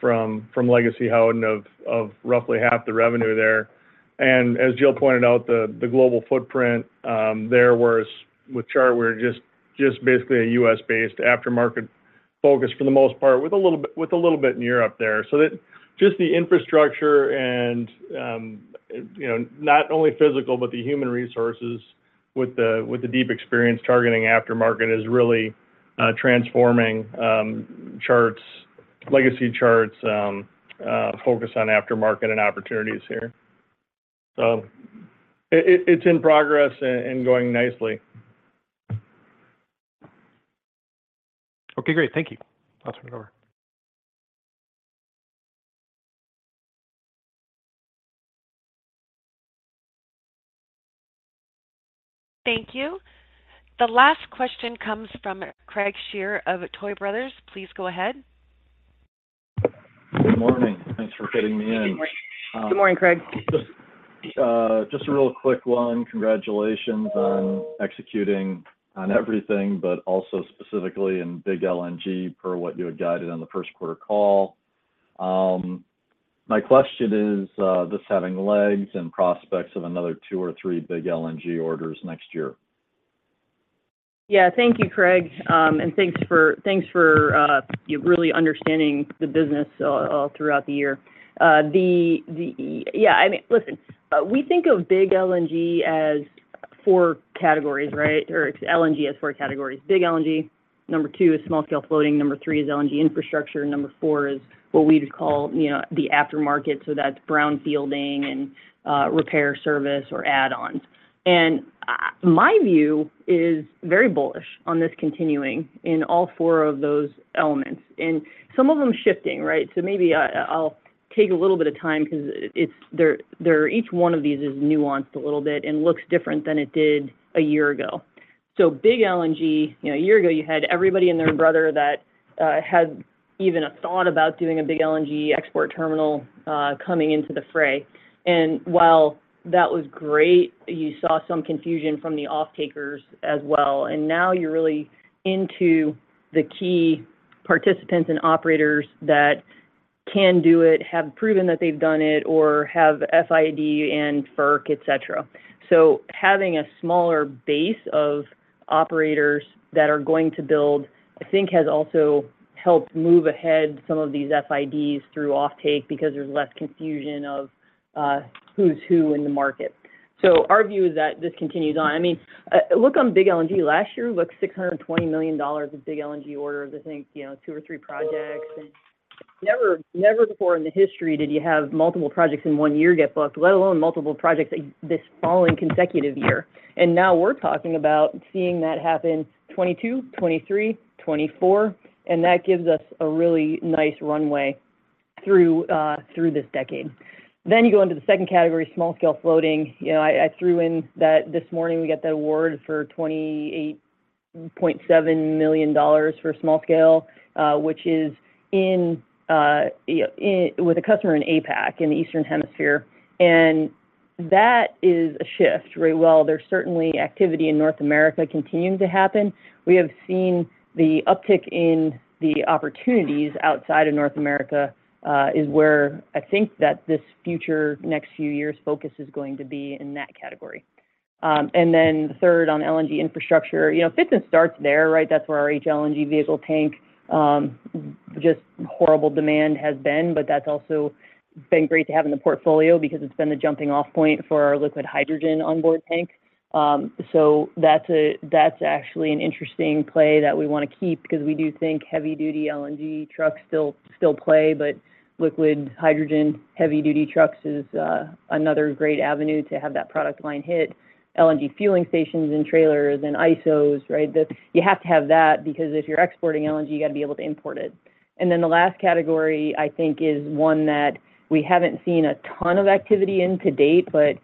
from, from legacy Howden of, of roughly half the revenue there. As Jill pointed out, the global footprint there, whereas with Chart, we're just, just basically a U.S.-based aftermarket focus for the most part, with a little bit, with a little bit in Europe there. That just the infrastructure and, you know, not only physical, but the human resources with the deep experience targeting aftermarket is really transforming Chart's, legacy Chart's, focus on aftermarket and opportunities here. It, it, it's in progress and, and going nicely. Okay, great. Thank you. I'll turn it over. Thank you. The last question comes from Craig Shere of Tuohy Brothers. Please go ahead. Good morning. Thanks for fitting me in. Good morning. Good morning, Craig. Just, just a real quick one. Congratulations on executing on everything, but also specifically in big LNG per what you had guided on the Q1 Call. My question is, this having legs and prospects of another 2 or 3 big LNG orders next year? Yeah, thank you, Craig. And thanks for, thanks for, you really understanding the business all, all throughout the year. The, the, yeah, I mean, listen, we think of big LNG as 4 categories, right? Or LNG as 4 categories. Big LNG, number 2 is small-scale floating, number 3 is LNG infrastructure, and number 4 is what we'd call, you know, the aftermarket, so that's brown fielding and, repair service or add-ons. And, my view is very bullish on this continuing in all 4 of those elements, and some of them shifting, right? So maybe I, I'll take a little bit of time because they're each one of these is nuanced a little bit and looks different than it did a year ago. Big LNG, you know, a year ago you had everybody and their brother that had even a thought about doing a big LNG export terminal coming into the fray. While that was great, you saw some confusion from the off-takers as well, and now you're really into the key participants and operators that can do it, have proven that they've done it, or have FID and FERC, et cetera. Having a smaller base of operators that are going to build, I think, has also helped move ahead some of these FIDs through off-take because there's less confusion of who's who in the market. Our view is that this continues on. I mean, look on big LNG. Last year, we booked $620 million of big LNG orders, I think, you know, 2 or 3 projects. Never, never before in the history did you have multiple projects in one year get booked, let alone multiple projects this following consecutive year. Now we're talking about seeing that happen 2022, 2023, 2024, and that gives us a really nice runway through this decade. You go into the second category, small scale floating. You know, I, I threw in that this morning, we got that award for $28.7 million for small scale, which is in, with a customer in APAC, in the Eastern Hemisphere. That is a shift, right? While there's certainly activity in North America continuing to happen, we have seen the uptick in the opportunities outside of North America, is where I think that this future next few years' focus is going to be in that category. The third on LNG infrastructure, you know, fitness starts there, right? That's where our HLNG vehicle tank, just horrible demand has been, but that's also been great to have in the portfolio because it's been the jumping-off point for our liquid hydrogen onboard tank. That's a, that's actually an interesting play that we wanna keep because we do think heavy-duty LNG trucks still, still play, but liquid hydrogen heavy-duty trucks is another great avenue to have that product line hit. LNG fueling stations and trailers and ISOs, right? You have to have that because if you're exporting LNG, you got to be able to import it. Then the last category, I think, is one that we haven't seen a ton of activity in to date, but,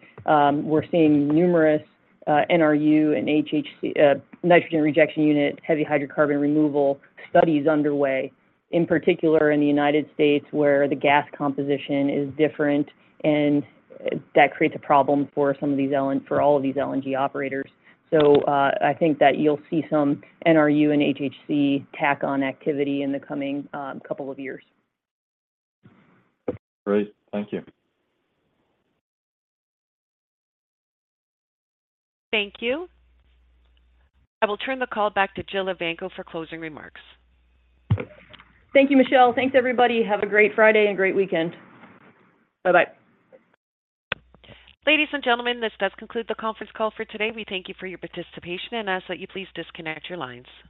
we're seeing numerous NRU and HCR, nitrogen rejection unit, heavy hydrocarbon removal studies underway, in particular in the United States, where the gas composition is different, and that creates a problem for some of these LNG, for all of these LNG operators. I think that you'll see some NRU and HCR tack on activity in the coming couple of years. Great. Thank you. Thank you. I will turn the call back to Jill Evanko for closing remarks. Thank you, Michelle. Thanks, everybody. Have a great Friday and great weekend. Bye-bye. Ladies and gentlemen, this does conclude the conference call for today. We thank you for your participation and ask that you please disconnect your lines.